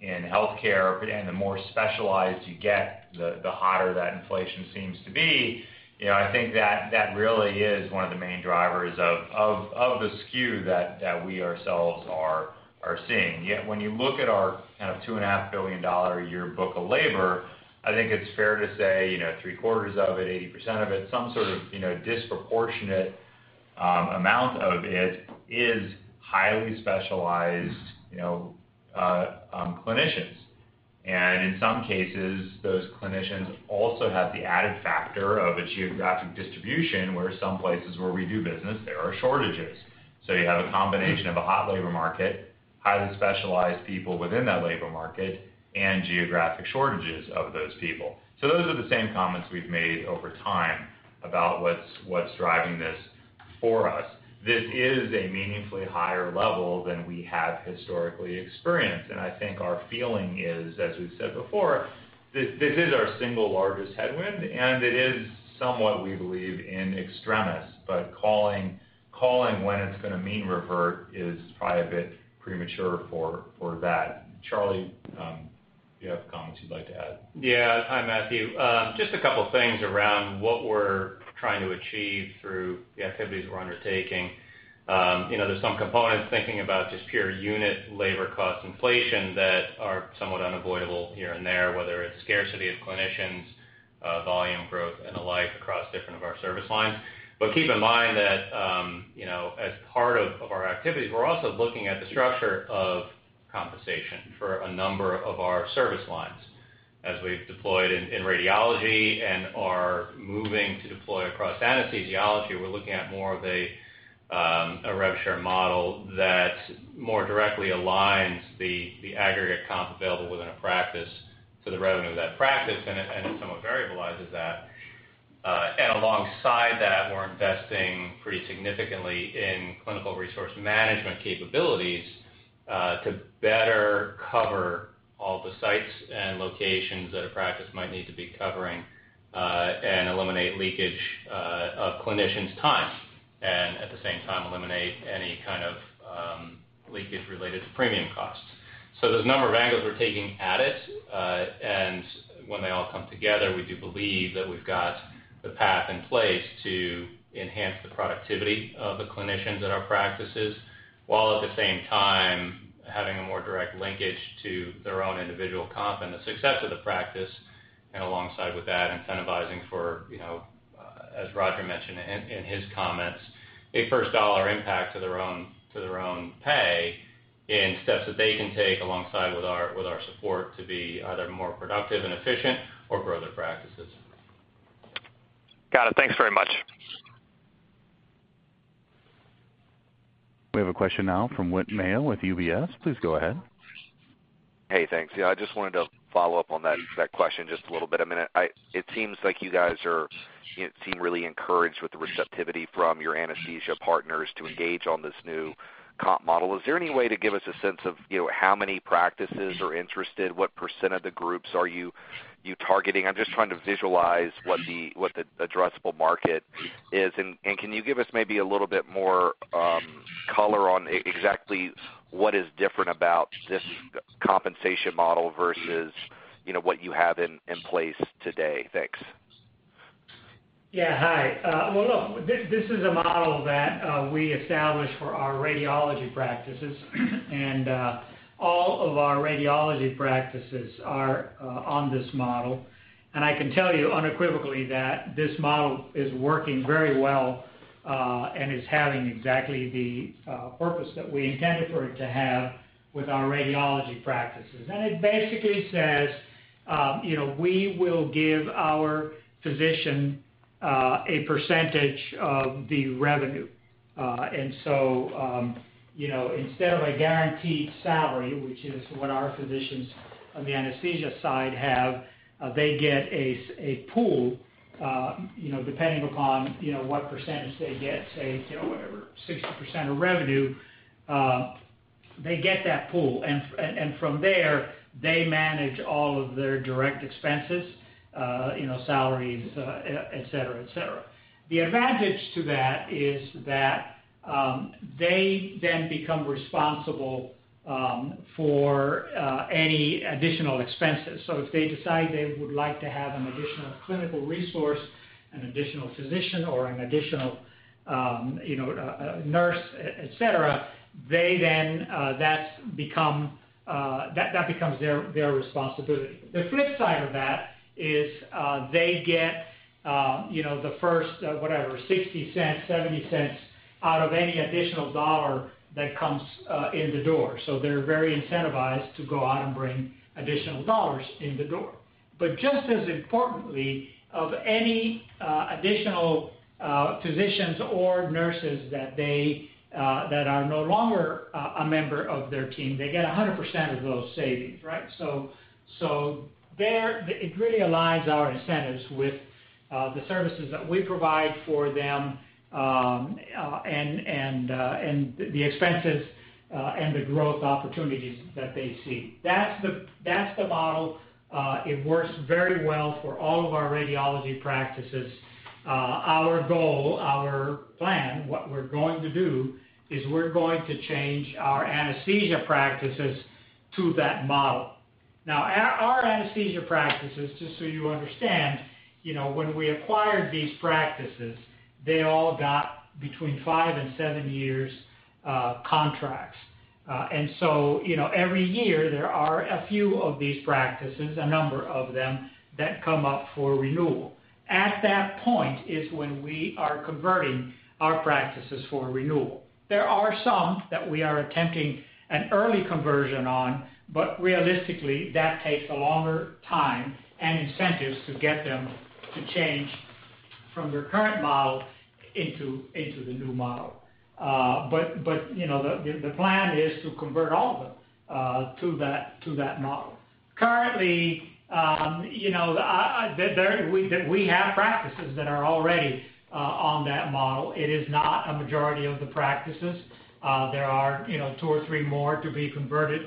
Speaker 4: in healthcare, and the more specialized you get, the higher that inflation seems to be. I think that really is one of the main drivers of the skew that we ourselves are seeing. Yet, when you look at our kind of $2.5 billion a year book of labor, I think it's fair to say three-quarters of it, 80% of it, some sort of disproportionate amount of it is highly specialized clinicians. In some cases, those clinicians also have the added factor of a geographic distribution, where some places where we do business, there are shortages. You have a combination of a hot labor market, highly specialized people within that labor market, and geographic shortages of those people. Those are the same comments we've made over time about what's driving this for us. This is a meaningfully higher level than we have historically experienced, and I think our feeling is, as we've said before, this is our single largest headwind, and it is somewhat, we believe, in extremis. Calling when it's going to mean revert is probably a bit premature for that. Charlie, do you have comments you'd like to add? Yeah. Hi, Matthew. Just a couple things around what we're trying to achieve through the activities we're undertaking. There's some components thinking about just pure unit labor cost inflation that are somewhat unavoidable here and there, whether it's scarcity of clinicians, volume growth, and the like across different of our service lines. Keep in mind that, as part of our activities, we're also looking at the structure of compensation for a number of our service lines. As we've deployed in radiology and are moving to deploy across anesthesiology, we're looking at more of a revenue sharing model that more directly aligns the aggregate comp available within a practice to the revenue of that practice and it somewhat variabilizes that. Alongside that, we're investing pretty significantly in clinical resource management capabilities, to better cover all the sites and locations that a practice might need to be covering, and eliminate leakage of clinicians' time, and at the same time, eliminate any kind of leakage related to premium costs.
Speaker 2: There's a number of angles we're taking at it, and when they all come together, we do believe that we've got the path in place to enhance the productivity of the clinicians at our practices, while at the same time having a more direct linkage to their own individual comp and the success of the practice, and alongside with that, incentivizing for, as Roger mentioned in his comments, a first dollar impact to their own pay in steps that they can take alongside with our support to be either more productive and efficient or grow their practices.
Speaker 12: Got it. Thanks very much.
Speaker 1: We have a question now from Whit Mayo with UBS. Please go ahead.
Speaker 13: Hey, thanks. Yeah, I just wanted to follow up on that question just a little bit. It seems like you guys seem really encouraged with the receptivity from your anesthesia partners to engage on this new comp model. Is there any way to give us a sense of how many practices are interested? What % of the groups are you targeting? I'm just trying to visualize what the addressable market is. Can you give us maybe a little bit more color on exactly what is different about this compensation model versus what you have in place today? Thanks.
Speaker 3: Yeah. Hi. Well, look, this is a model that we established for our radiology practices, and all of our radiology practices are on this model. I can tell you unequivocally that this model is working very well, and is having exactly the purpose that we intended for it to have with our radiology practices. It basically says, we will give our physician a percentage of the revenue. Instead of a guaranteed salary, which is what our physicians on the anesthesia side have, they get a pool, depending upon what percentage they get, say, whatever, 60% of revenue, they get that pool. From there, they manage all of their direct expenses, salaries, et cetera. The advantage to that is that they then become responsible for any additional expenses. If they decide they would like to have an additional clinical resource, an additional physician or an additional nurse, et cetera, that becomes their responsibility. The flip side of that is they get the first, whatever, $0.60, $0.70 out of any additional dollar that comes in the door. They're very incentivized to go out and bring additional dollars in the door. Just as importantly, of any additional physicians or nurses that are no longer a member of their team, they get 100% of those savings, right? There, it really aligns our incentives with the services that we provide for them, and the expenses and the growth opportunities that they see. That's the model. It works very well for all of our radiology practices. Our goal, our plan, what we're going to do is we're going to change our anesthesia practices to that model. Now, our anesthesia practices, just so you understand, when we acquired these practices, they all got between five and seven years contracts. Every year, there are a few of these practices, a number of them, that come up for renewal. At that point is when we are converting our practices for renewal. There are some that we are attempting an early conversion on, but realistically, that takes a longer time and incentives to get them to change from their current model into the new model. The plan is to convert all of them to that model. Currently, we have practices that are already on that model. It is not a majority of the practices. There are two or three more to be converted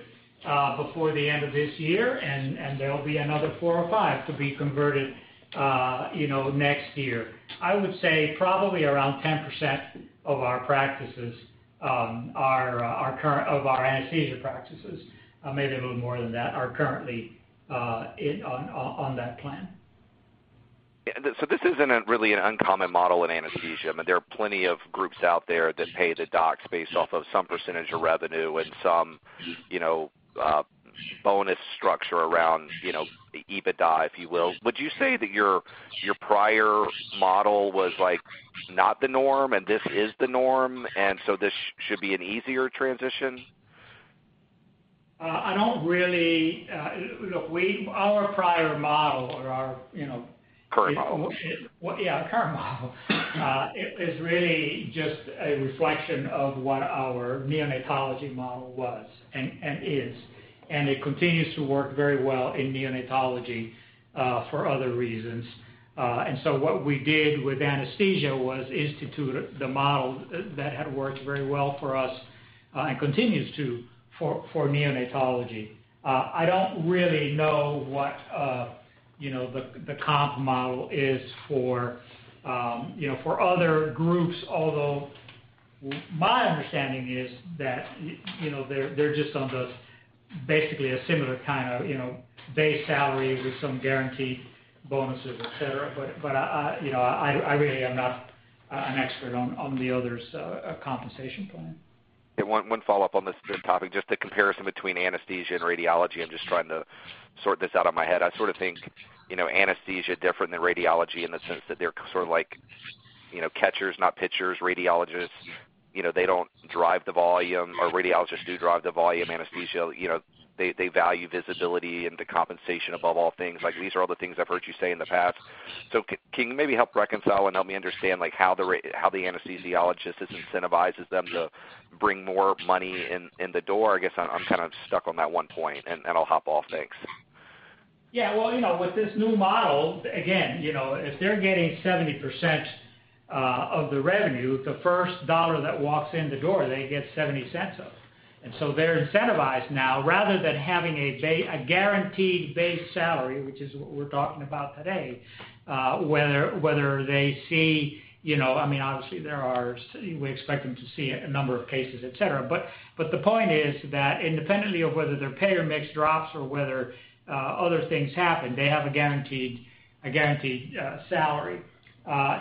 Speaker 3: before the end of this year, and there'll be another four or five to be converted next year. I would say probably around 10% of our anesthesia practices, maybe a little more than that, are currently on that plan.
Speaker 13: This isn't really an uncommon model in anesthesia. There are plenty of groups out there that pay the docs based off of some percentage of revenue and some bonus structure around EBITDA, if you will. Would you say that your prior model was not the norm, and this is the norm, and so this should be an easier transition?
Speaker 3: I don't. Look, our prior model.
Speaker 13: Current model.
Speaker 3: Yeah, current model is really just a reflection of what our neonatology model was and is, and it continues to work very well in neonatology for other reasons. What we did with anesthesia was institute the model that had worked very well for us, and continues to, for neonatology. I don't really know what the comp model is for other groups. Although my understanding is that they're just on those, basically a similar kind of base salary with some guaranteed bonuses, et cetera. I really am not an expert on the others' compensation plan.
Speaker 13: One follow-up on this topic, just the comparison between anesthesia and radiology. I'm just trying to sort this out in my head. I sort of think anesthesia different than radiology in the sense that they're sort of like catchers, not pitchers. Radiologists, they don't drive the volume, or radiologists do drive the volume. Anesthesia, they value visibility and the compensation above all things. These are all the things I've heard you say in the past. Can you maybe help reconcile and help me understand how the anesthesiologist, this incentivizes them to bring more money in the door? I guess I'm stuck on that one point, and then I'll hop off. Thanks.
Speaker 3: Yeah. Well, with this new model, again, if they're getting 70% of the revenue, the first dollar that walks in the door, they get $0.70 of. They're incentivized now, rather than having a guaranteed base salary, which is what we're talking about today, obviously, we expect them to see a number of cases, et cetera. The point is that independently of whether their payer mix drops or whether other things happen, they have a guaranteed salary.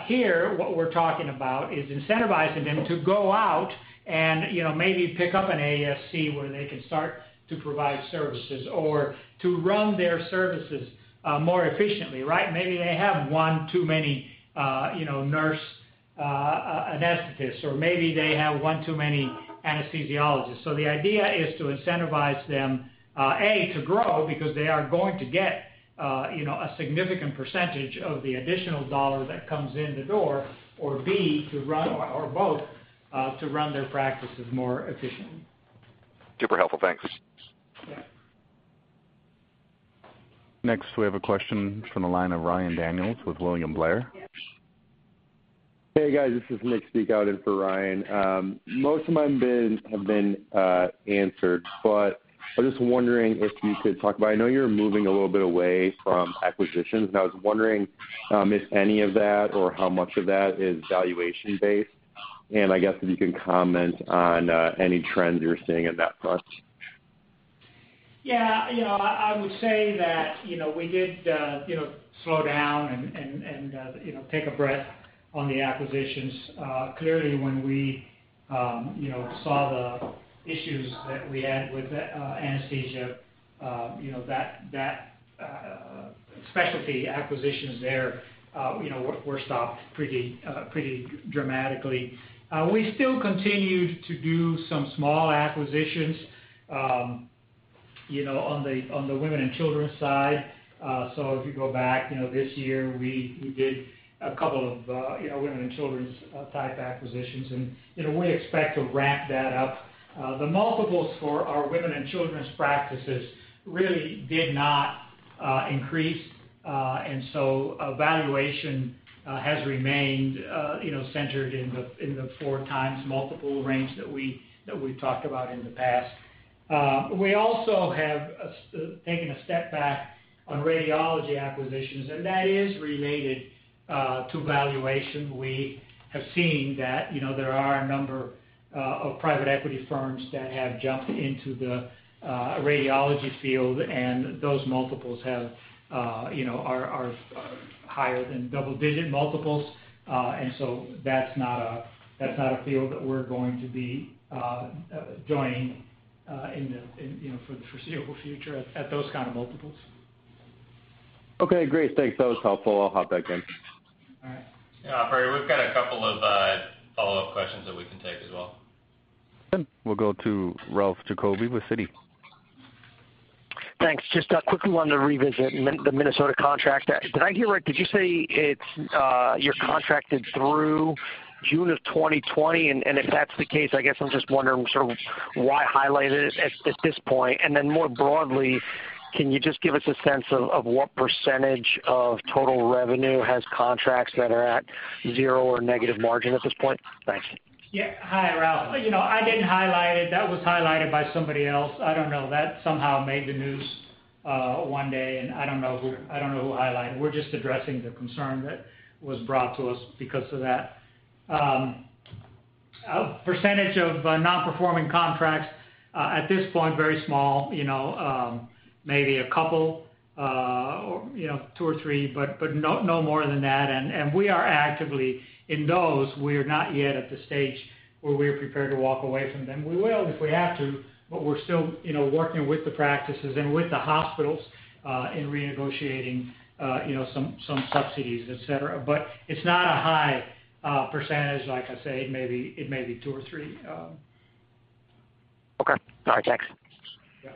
Speaker 3: Here, what we're talking about is incentivizing them to go out and maybe pick up an ASC where they can start to provide services or to run their services more efficiently, right? Maybe they have one too many nurse anesthetists, or maybe they have one too many anesthesiologists. The idea is to incentivize them, A, to grow, because they are going to get a significant percentage of the additional dollar that comes in the door or, B, or both, to run their practices more efficiently.
Speaker 13: Super helpful. Thanks.
Speaker 3: Yeah.
Speaker 1: Next, we have a question from the line of Ryan Daniels with William Blair.
Speaker 14: Hey, guys, this is Nick Spicuzza in for Ryan. Most of mine have been answered. I was just wondering if you could talk about, I know you're moving a little bit away from acquisitions, I was wondering if any of that or how much of that is valuation-based. I guess if you can comment on any trends you're seeing in that front.
Speaker 3: Yeah. I would say that we did slow down and take a breath on the acquisitions. Clearly, when we saw the issues that we had with anesthesia, that specialty acquisitions there were stopped pretty dramatically. We still continued to do some small acquisitions on the Women & Children's side. If you go back this year, we did a couple of Women & Children's type acquisitions, and we expect to ramp that up. The multiples for our Women & Children's practices really did not increase. Valuation has remained centered in the 4x multiple range that we've talked about in the past. We also have taken a step back on radiology acquisitions. That is related to valuation. We have seen that there are a number of private equity firms that have jumped into the radiology field, and those multiples are higher than double-digit multiples. That's not a field that we're going to be joining for the foreseeable future at those kind of multiples.
Speaker 14: Okay, great. Thanks. That was helpful. I'll hop back in.
Speaker 3: All right.
Speaker 2: Yeah. operator, we've got a couple of follow-up questions that we can take as well. We'll go to Ralph Giacobbe with Citi.
Speaker 6: Thanks. Just quickly wanted to revisit the Minnesota contract. Did I hear right? Did you say you're contracted through June of 2020? If that's the case, I guess I'm just wondering sort of why highlight it at this point? More broadly, can you just give us a sense of what % of total revenue has contracts that are at 0 or negative margin at this point? Thanks.
Speaker 3: Yeah. Hi, Ralph. I didn't highlight it. That was highlighted by somebody else. I don't know. That somehow made the news one day. I don't know who highlighted it. We're just addressing the concern that was brought to us because of that. Percentage of non-performing contracts, at this point, very small, maybe a couple, two or three, but no more than that. We are actively in those. We are not yet at the stage where we are prepared to walk away from them. We will if we have to. We're still working with the practices and with the hospitals in renegotiating some subsidies, et cetera. It's not a high percentage. Like I say, it may be two or three.
Speaker 6: Okay. All right, thanks.
Speaker 3: Yeah.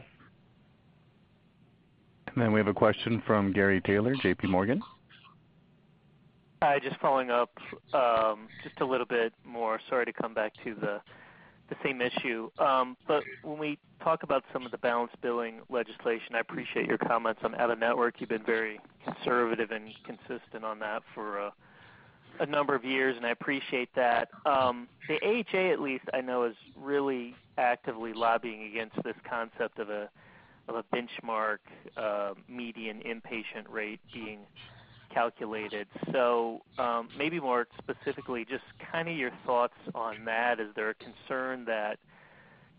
Speaker 1: We have a question from Gary Taylor, J.P. Morgan.
Speaker 10: Hi, just following up just a little bit more. Sorry to come back to the same issue. When we talk about some of the balance billing legislation, I appreciate your comments on out-of-network. You've been very conservative and consistent on that for a number of years, and I appreciate that. The AHA, at least, I know, is really actively lobbying against this concept of a benchmark median inpatient rate being calculated. Maybe more specifically, just your thoughts on that. Is there a concern that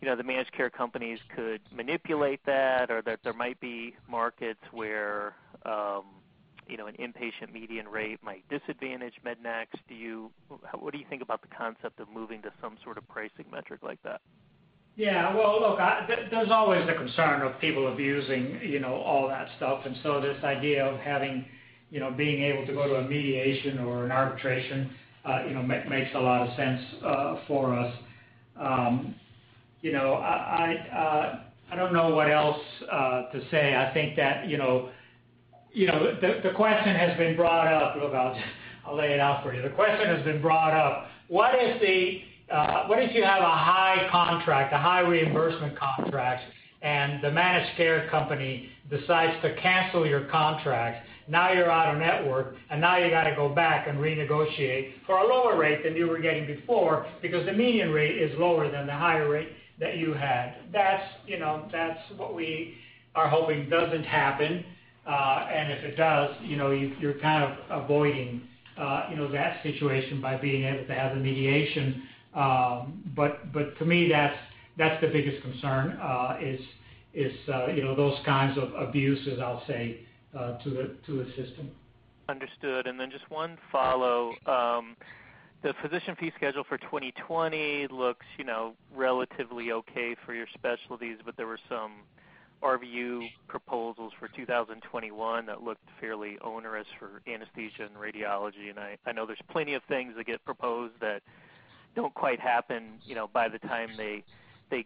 Speaker 10: the managed care companies could manipulate that or that there might be markets where an inpatient median rate might disadvantage MEDNAX? What do you think about the concept of moving to some sort of pricing metric like that?
Speaker 3: Well, look, there's always the concern of people abusing all that stuff, this idea of being able to go to a mediation or an arbitration makes a lot of sense for us. I don't know what else to say. I think that the question has been brought up. Look, I'll lay it out for you. The question has been brought up, what if you have a high contract, a high reimbursement contract, and the managed care company decides to cancel your contract? Now you're out of network, now you got to go back and renegotiate for a lower rate than you were getting before because the median rate is lower than the higher rate that you had. That's what we are hoping doesn't happen. If it does, you're kind of avoiding that situation by being able to have the mediation. To me, that's the biggest concern is those kinds of abuses, I'll say, to the system.
Speaker 10: Understood. Just one follow. The physician fee schedule for 2020 looks relatively okay for your specialties, but there were some RVU proposals for 2021 that looked fairly onerous for anesthesia and radiology. I know there's plenty of things that get proposed that don't quite happen by the time they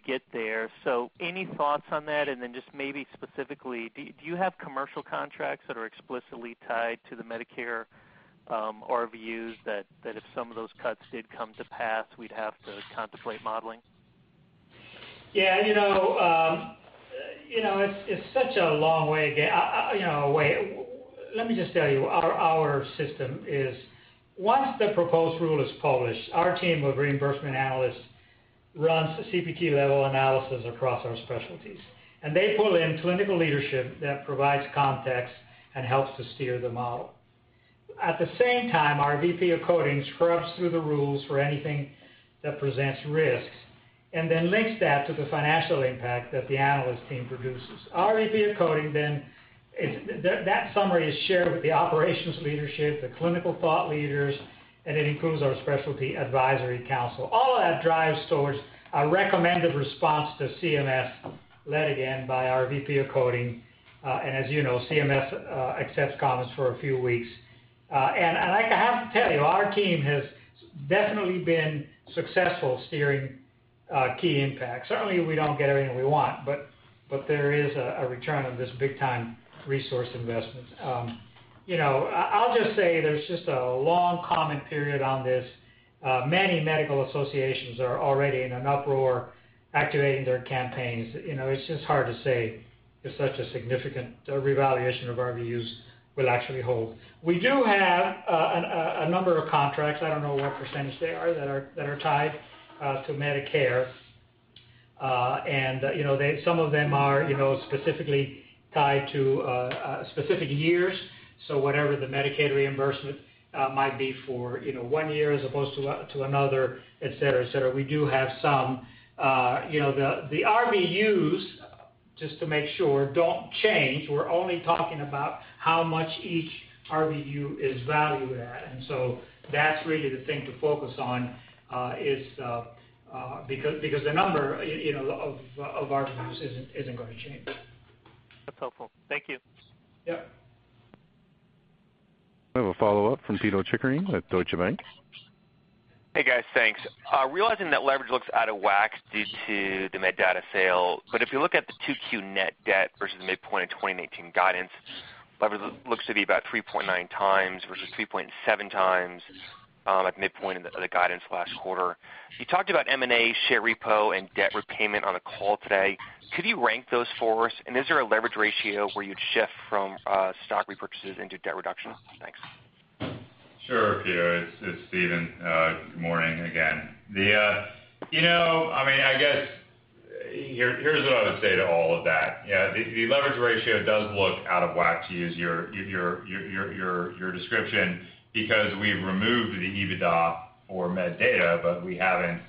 Speaker 10: get there. Any thoughts on that? Just maybe specifically, do you have commercial contracts that are explicitly tied to the Medicare RVUs that if some of those cuts did come to pass, we'd have to contemplate modeling?
Speaker 3: Yeah. It's such a long way. Let me just tell you, our system is once the proposed rule is published, our team of reimbursement analysts runs CPT-level analysis across our specialties, and they pull in clinical leadership that provides context and helps to steer the model. At the same time, our VP of Coding scrubs through the rules for anything that presents risks and then links that to the financial impact that the analyst team produces. Our VP of Coding, that summary is shared with the operations leadership, the clinical thought leaders, and it includes our specialty advisory council. All of that drives towards a recommended response to CMS, led again by our VP of Coding. As you know, CMS accepts comments for a few weeks. I have to tell you, our team has definitely been successful steering key impacts. Certainly, we don't get everything we want. There is a return of this big-time resource investment. I'll just say there's just a long comment period on this. Many medical associations are already in an uproar activating their campaigns. It's just hard to say if such a significant revaluation of RVUs will actually hold. We do have a number of contracts, I don't know what percentage they are, that are tied to Medicare. Some of them are specifically tied to specific years. Whatever the Medicaid reimbursement might be for one year as opposed to another, et cetera. We do have some. The RVUs, just to make sure, don't change. We're only talking about how much each RVU is valued at. That's really the thing to focus on because the number of RVUs isn't going to change.
Speaker 10: That's helpful. Thank you.
Speaker 3: Yeah.
Speaker 1: We have a follow-up from Pito Chickering at Deutsche Bank.
Speaker 9: Hey, guys. Thanks. Realizing that leverage looks out of whack due to the MedData sale, but if you look at the 2Q net debt versus midpoint of 2019 guidance, leverage looks to be about 3.9 times versus 3.7 times at midpoint of the guidance last quarter. You talked about M&A, share repo, and debt repayment on the call today. Could you rank those for us? Is there a leverage ratio where you'd shift from stock repurchases into debt reduction? Thanks.
Speaker 4: Sure, Pito. It's Stephen. Good morning again. I guess, here's what I would say to all of that. The leverage ratio does look out of whack, to use your description, because we've removed the EBITDA for MedData, but we haven't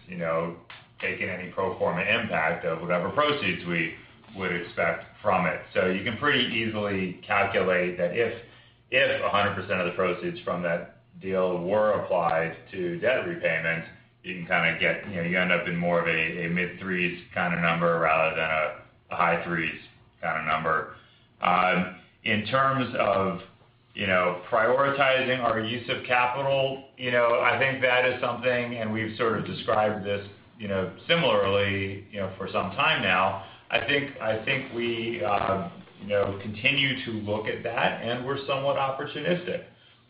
Speaker 4: taken any pro forma impact of whatever proceeds we would expect from it. You can pretty easily calculate that if 100% of the proceeds from that deal were applied to debt repayment, you end up in more of a mid-threes kind of number rather than a high threes kind of number. In terms of prioritizing our use of capital, I think that is something, and we've sort of described this similarly for some time now. I think we continue to look at that, and we're somewhat opportunistic.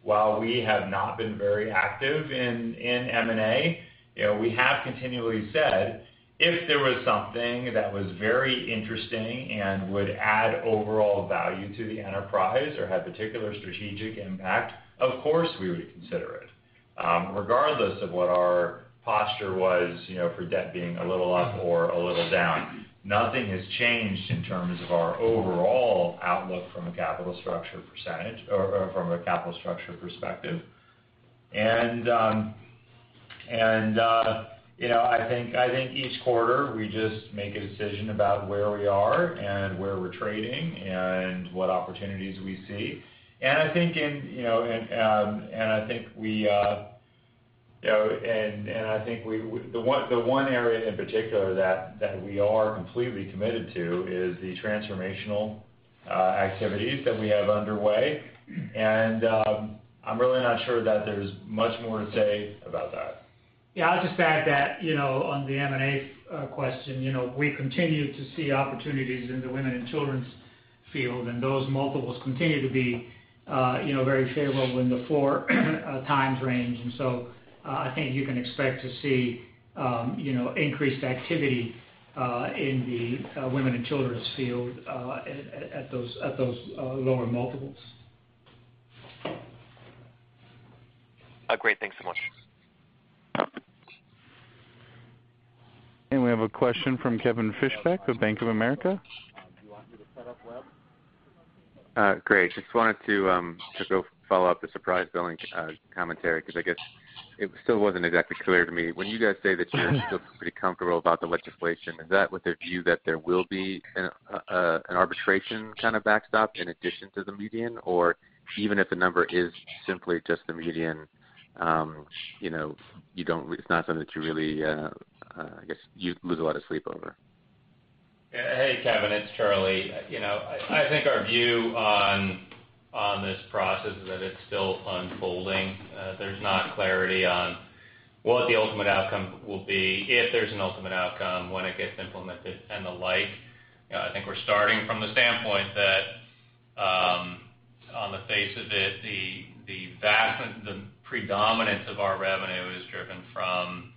Speaker 4: While we have not been very active in M&A, we have continually said if there was something that was very interesting and would add overall value to the enterprise or have particular strategic impact, of course, we would consider it. Regardless of what our posture was for debt being a little up or a little down, nothing has changed in terms of our overall outlook from a capital structure perspective. I think each quarter, we just make a decision about where we are and where we're trading and what opportunities we see. I think the one area in particular that we are completely committed to is the transformational activities that we have underway. I'm really not sure that there's much more to say about that.
Speaker 3: I'll just add that, on the M&A question, we continue to see opportunities in the women and children's field, and those multiples continue to be very favorable in the 4x range. I think you can expect to see increased activity in the women and children's field at those lower multiples.
Speaker 9: Great. Thanks so much.
Speaker 1: We have a question from Kevin Fischbeck of Bank of America.
Speaker 7: Great. Just wanted to go follow up the surprise billing commentary, because I guess it still wasn't exactly clear to me. When you guys say that you're still pretty comfortable about the legislation, is that with a view that there will be an arbitration kind of backstop in addition to the median? Or even if the number is simply just the median, you know, it's not something that you really, I guess, you'd lose a lot of sleep over?
Speaker 2: Hey, Kevin, it's Charlie. I think our view on this process is that it's still unfolding. There's not clarity on what the ultimate outcome will be, if there's an ultimate outcome, when it gets implemented and the like. I think we're starting from the standpoint that on the face of it, the predominance of our revenue is driven from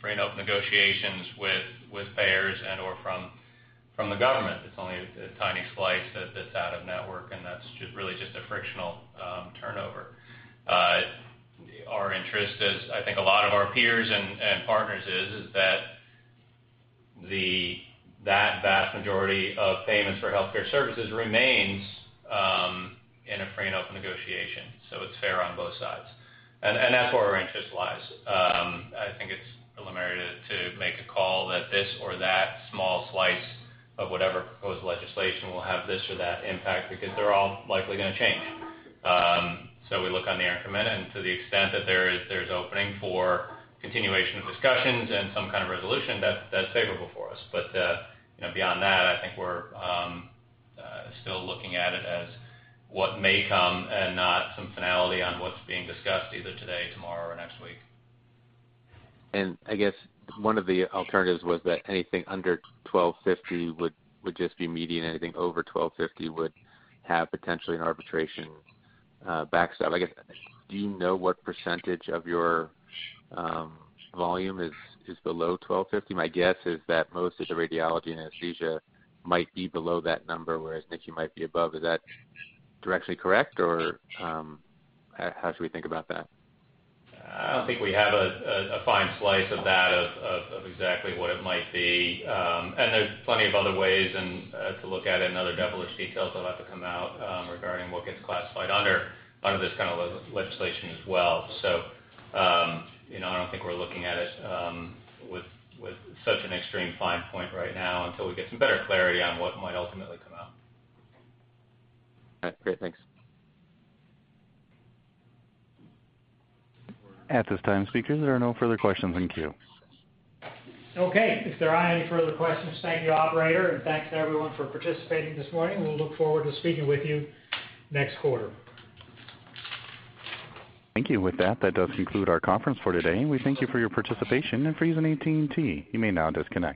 Speaker 2: free and open negotiations with payers and or from the government. It's only a tiny slice that's out of network, and that's really just a frictional turnover. Our interest is, I think a lot of our peers and partners' is that vast majority of payments for healthcare services remains in a free and open negotiation. It's fair on both sides. That's where our interest lies. I think it's preliminary to make a call that this or that small slice of whatever proposed legislation will have this or that impact because they're all likely gonna change. We look on the increment and to the extent that there is opening for continuation of discussions and some kind of resolution, that's favorable for us. Beyond that, I think we're still looking at it as what may come and not some finality on what's being discussed either today, tomorrow or next week.
Speaker 7: I guess one of the alternatives was that anything under 1,250 would just be median. Anything over 1,250 would have potentially an arbitration backstop. I guess, do you know what percentage of your volume is below 1,250? My guess is that most of the radiology and anesthesia might be below that number, whereas NICU might be above. Is that directly correct or how should we think about that?
Speaker 2: I don't think we have a fine slice of that, of exactly what it might be. There's plenty of other ways and to look at it, and other devilish details that'll have to come out regarding what gets classified under this kind of legislation as well. I don't think we're looking at it with such an extreme fine point right now until we get some better clarity on what might ultimately come out.
Speaker 7: All right. Great. Thanks.
Speaker 1: At this time, speakers, there are no further questions in queue.
Speaker 3: Okay. If there aren't any further questions, thank you, operator, and thanks everyone for participating this morning. We'll look forward to speaking with you next quarter.
Speaker 1: Thank you. With that does conclude our conference for today. We thank you for your participation, and for using AT&T. You may now disconnect.